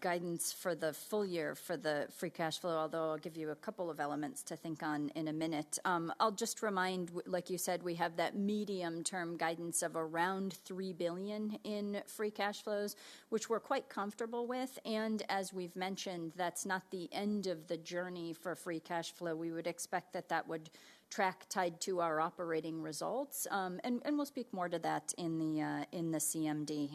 guidance for the full year for the free cash flow, although I'll give you two elements to think on in a minute. I'll just remind, like you said, we have that medium-term guidance of around 3 billion in free cash flows, which we're quite comfortable with. As we've mentioned, that's not the end of the journey for free cash flow. We would expect that that would track tied to our operating results. We'll speak more to that in the CMD.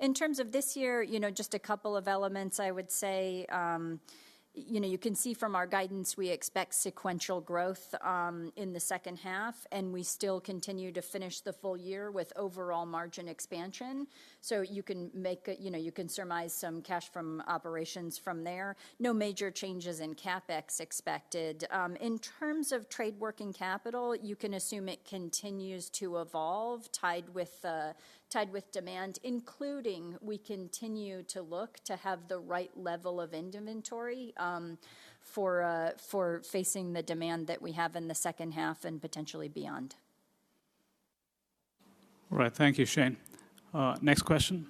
In terms of this year, just two elements I would say. You can see from our guidance, we expect sequential growth in the H2, and we still continue to finish the full year with overall margin expansion. You can surmise some cash from operations from there. No major changes in CapEx expected. In terms of trade working capital, you can assume it continues to evolve, tied with demand, including we continue to look to have the right level of inventory for facing the demand that we have in the H2 and potentially beyond. All right. Thank you, Shane. Next question.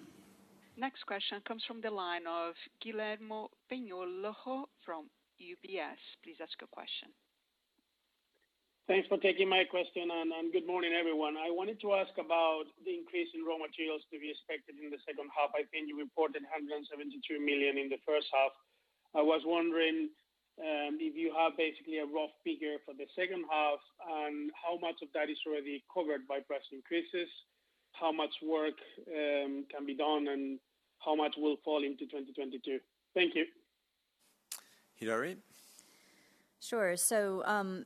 Next question comes from the line of Guillermo Peigneux from UBS. Please ask your question. Thanks for taking my question, and good morning, everyone. I wanted to ask about the increase in raw materials to be expected in the H2. I think you reported 172 million in the H1. I was wondering if you have basically a rough figure for the H2, and how much of that is already covered by price increases, how much work can be done, and how much will fall into 2022? Thank you. Hilary? Sure. I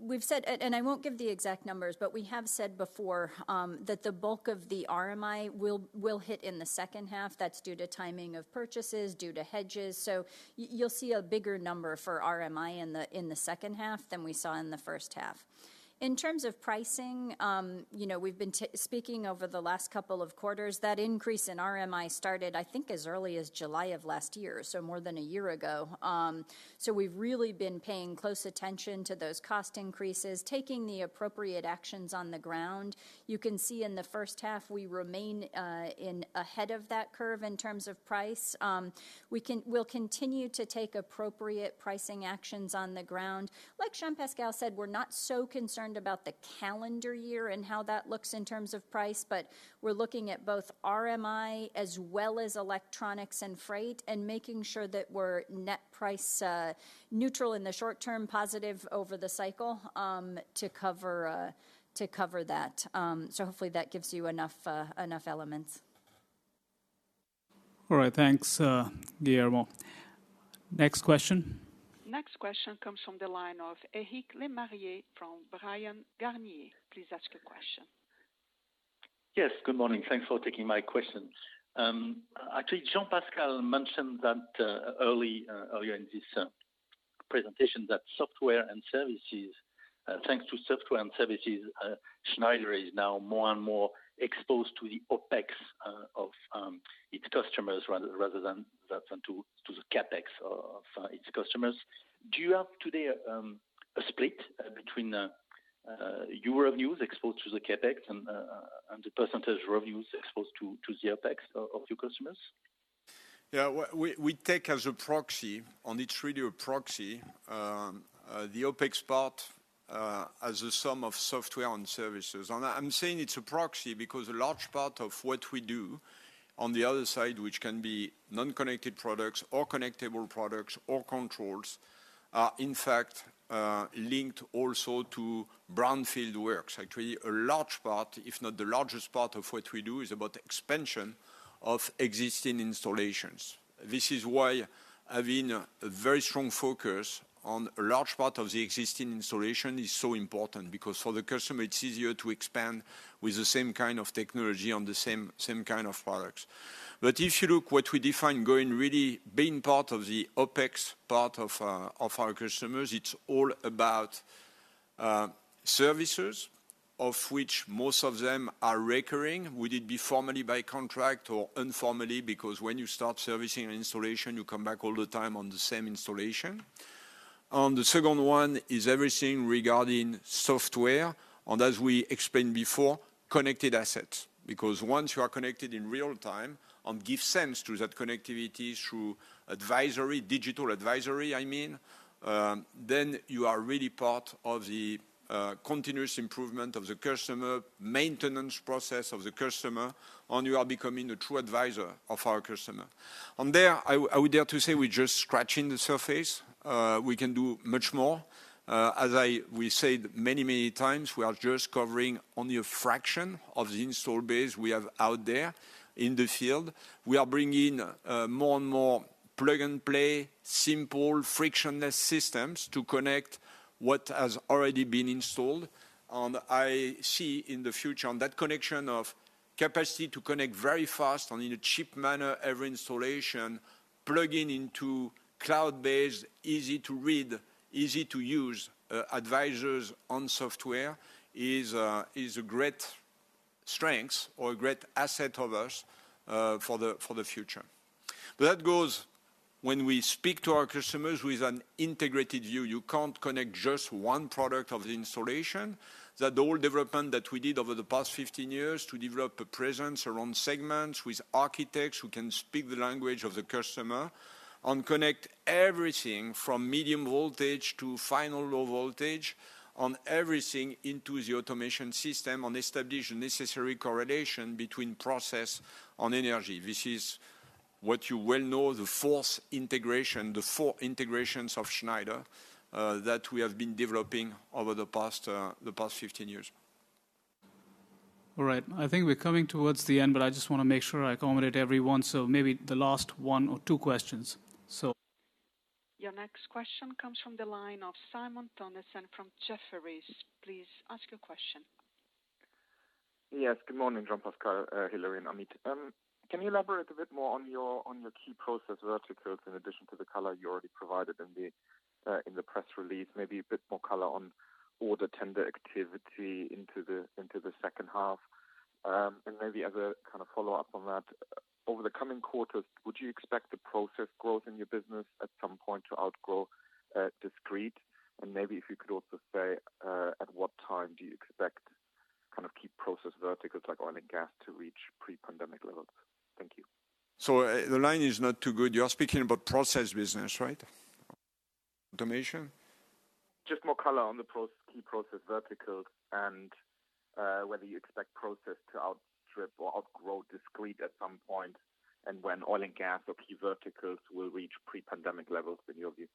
won't give the exact numbers, but we have said before that the bulk of the RMI will hit in the H2. That's due to timing of purchases, due to hedges. You'll see a bigger number for RMI in the second half than we saw in the H1. In terms of pricing, we've been speaking over the last couple of quarters, that increase in RMI started, I think, as early as July of last year, so more than a year ago. We've really been paying close attention to those cost increases, taking the appropriate actions on the ground. You can see in the H1, we remain ahead of that curve in terms of price. We'll continue to take appropriate pricing actions on the ground. Like Jean-Pascal said, we're not so concerned about the calendar year and how that looks in terms of price, but we're looking at both RMI as well as electronics and freight and making sure that we're net price neutral in the short term, positive over the cycle to cover that. Hopefully that gives you enough elements. All right. Thanks, Guillermo. Next question. Next question comes from the line of Eric Lemarié from Bryan Garnier. Please ask your question. Yes, good morning. Thanks for taking my question. Actually, Jean-Pascal mentioned earlier in this presentation that thanks to software and services, Schneider is now more and more exposed to the OpEx of its customers rather than to the CapEx of its customers. Do you have today a split between your revenues exposed to the CapEx and the percentage revenues exposed to the OpEx of your customers? Yeah. We take as a proxy, and it's really a proxy, the OpEx part as a sum of software and services. I'm saying it's a proxy because a large part of what we do on the other side, which can be non-connected products or connectable products or controls, are in fact linked also to brownfield works. A large part, if not the largest part of what we do is about expansion of existing installations. This is why having a very strong focus on a large part of the existing installation is so important, because for the customer, it's easier to expand with the same kind of technology and the same kind of products. If you look what we define going really being part of the OpEx part of our customers, it's all about services, of which most of them are recurring, whether it be formally by contract or informally, because when you start servicing an installation, you come back all the time on the same installation. The second one is everything regarding software, and as we explained before, connected assets. Once you are connected in real time and give sense to that connectivity through digital advisory, then you are really part of the continuous improvement of the customer, maintenance process of the customer, and you are becoming a true advisor of our customer. On there, I would dare to say we're just scratching the surface. We can do much more. As we said many times, we are just covering only a fraction of the install base we have out there in the field. We are bringing more and more plug-and-play, simple, frictionless systems to connect what has already been installed. I see in the future, on that connection of capacity to connect very fast and in a cheap manner, every installation plugging into cloud-based, easy-to-read, easy-to-use advisors on software is a great strength or a great asset of us for the future. That goes when we speak to our customers with an integrated view. You can't connect just one product of the installation. That whole development that we did over the past 15 years to develop a presence around segments with architects who can speak the language of the customer and connect everything from medium voltage to final low voltage and everything into the automation system and establish the necessary correlation between process and energy. This is what you well know, the four integrations of Schneider that we have been developing over the past 15 years. All right. I think we're coming towards the end, but I just want to make sure I accommodate everyone, so maybe the last one or two questions. Your next question comes from the line of Simon Toennessen from Jefferies. Please ask your question. Yes. Good morning, Jean-Pascal, Hilary, and Amit. Can you elaborate a bit more on your key process verticals in addition to the color you already provided in the press release? Maybe a bit more color on order tender activity into the H2. Maybe as a follow-up on that, over the coming quarters, would you expect the process growth in your business at some point to outgrow Discrete? Maybe if you could also say, at what time do you expect key process verticals like oil and gas to reach pre-pandemic levels? Thank you. The line is not too good. You are speaking about process business, right? Automation? Just more color on the key process verticals and whether you expect process to outstrip or outgrow discrete at some point, and when oil and gas or key verticals will reach pre-pandemic levels in your view.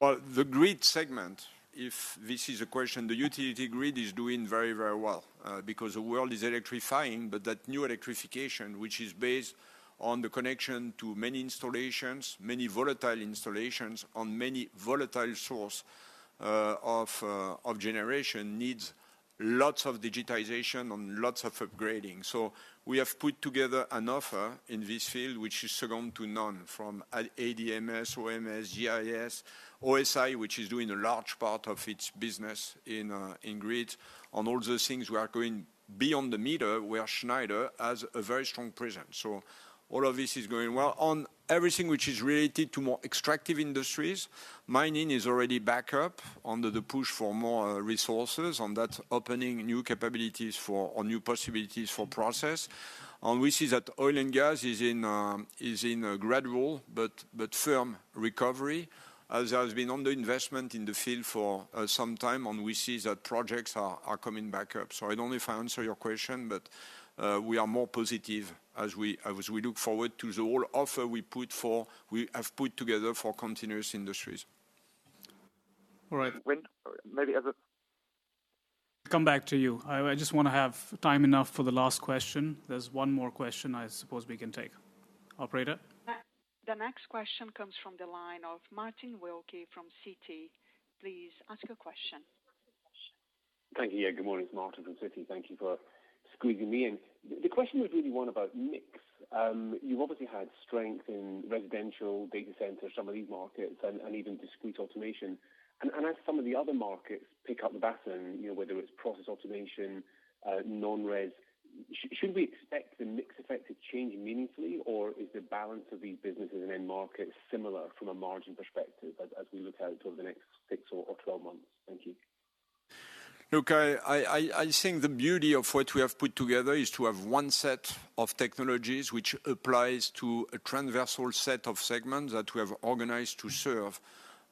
Well, the grid segment, if this is a question, the utility grid is doing very well, because the world is electrifying. That new electrification, which is based on the connection to many installations, many volatile installations on many volatile source of generation needs lots of digitization and lots of upgrading. We have put together an offer in this field, which is second to none from ADMS, OMS, GIS, OSI, which is doing a large part of its business in grid. On all those things, we are going beyond the meter, where Schneider has a very strong presence. All of this is going well. On everything which is related to more extractive industries, mining is already back up under the push for more resources, and that's opening new capabilities or new possibilities for process. We see that oil and gas is in a gradual but firm recovery as has been under investment in the field for some time, and we see that projects are coming back up. I don't know if I answer your question, but we are more positive as we look forward to the whole offer we have put together for continuous industries. All right. Maybe as a. Come back to you. I just want to have time enough for the last question. There's one more question I suppose we can take. Operator? The next question comes from the line of Martin Wilkie from Citi. Please ask your question. Thank you. Yeah, good morning. It's Martin from Citi. Thank you for squeezing me in. The question was really one about mix. You've obviously had strength in residential data centers, some of these markets, and even Discrete Automation. As some of the other markets pick up the baton, whether it's process automation, non-res, should we expect the mix effect to change meaningfully, or is the balance of these businesses and end markets similar from a margin perspective as we look out over the next six or 12 months? Thank you. Look, I think the beauty of what we have put together is to have one set of technologies which applies to a transversal set of segments that we have organized to serve.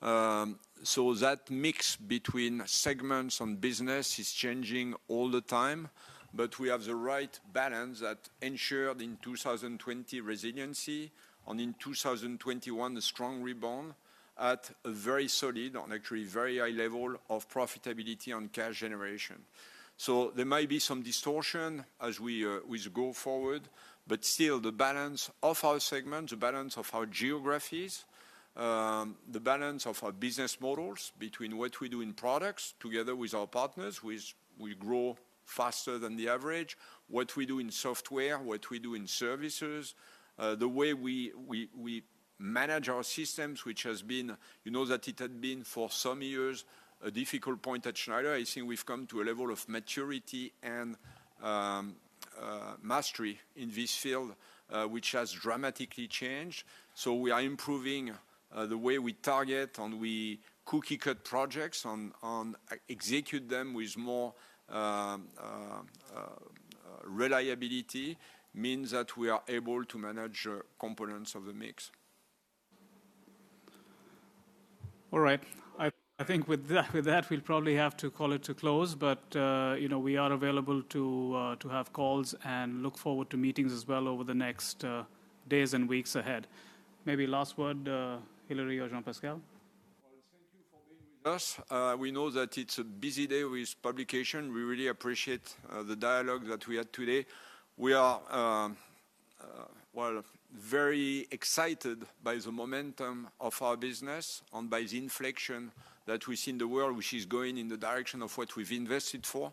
That mix between segments and business is changing all the time, but we have the right balance that ensured in 2020 resiliency, and in 2021, a strong rebound at a very solid, and actually very high level of profitability on cash generation. There may be some distortion as we go forward, but still the balance of our segments, the balance of our geographies, the balance of our business models between what we do in products together with our partners, we grow faster than the average. What we do in software, what we do in services, the way we manage our systems, which has been, you know that it had been for some years, a difficult point at Schneider. I think we've come to a level of maturity and mastery in this field, which has dramatically changed. We are improving the way we target and we cookie-cut projects and execute them with more reliability, means that we are able to manage components of the mix. All right. I think with that, we'll probably have to call it to close. We are available to have calls and look forward to meetings as well over the next days and weeks ahead. Maybe last word, Hilary or Jean-Pascal? Well, thank you for being with us. We know that it's a busy day with publication. We really appreciate the dialogue that we had today. We are very excited by the momentum of our business and by the inflection that we see in the world, which is going in the direction of what we've invested for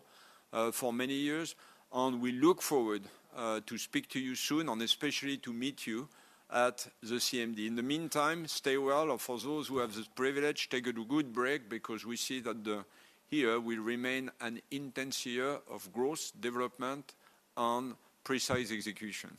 many years. We look forward to speak to you soon and especially to meet you at the CMD. In the meantime, stay well. For those who have this privilege, take a good break because we see that the year will remain an intense year of growth, development, and precise execution.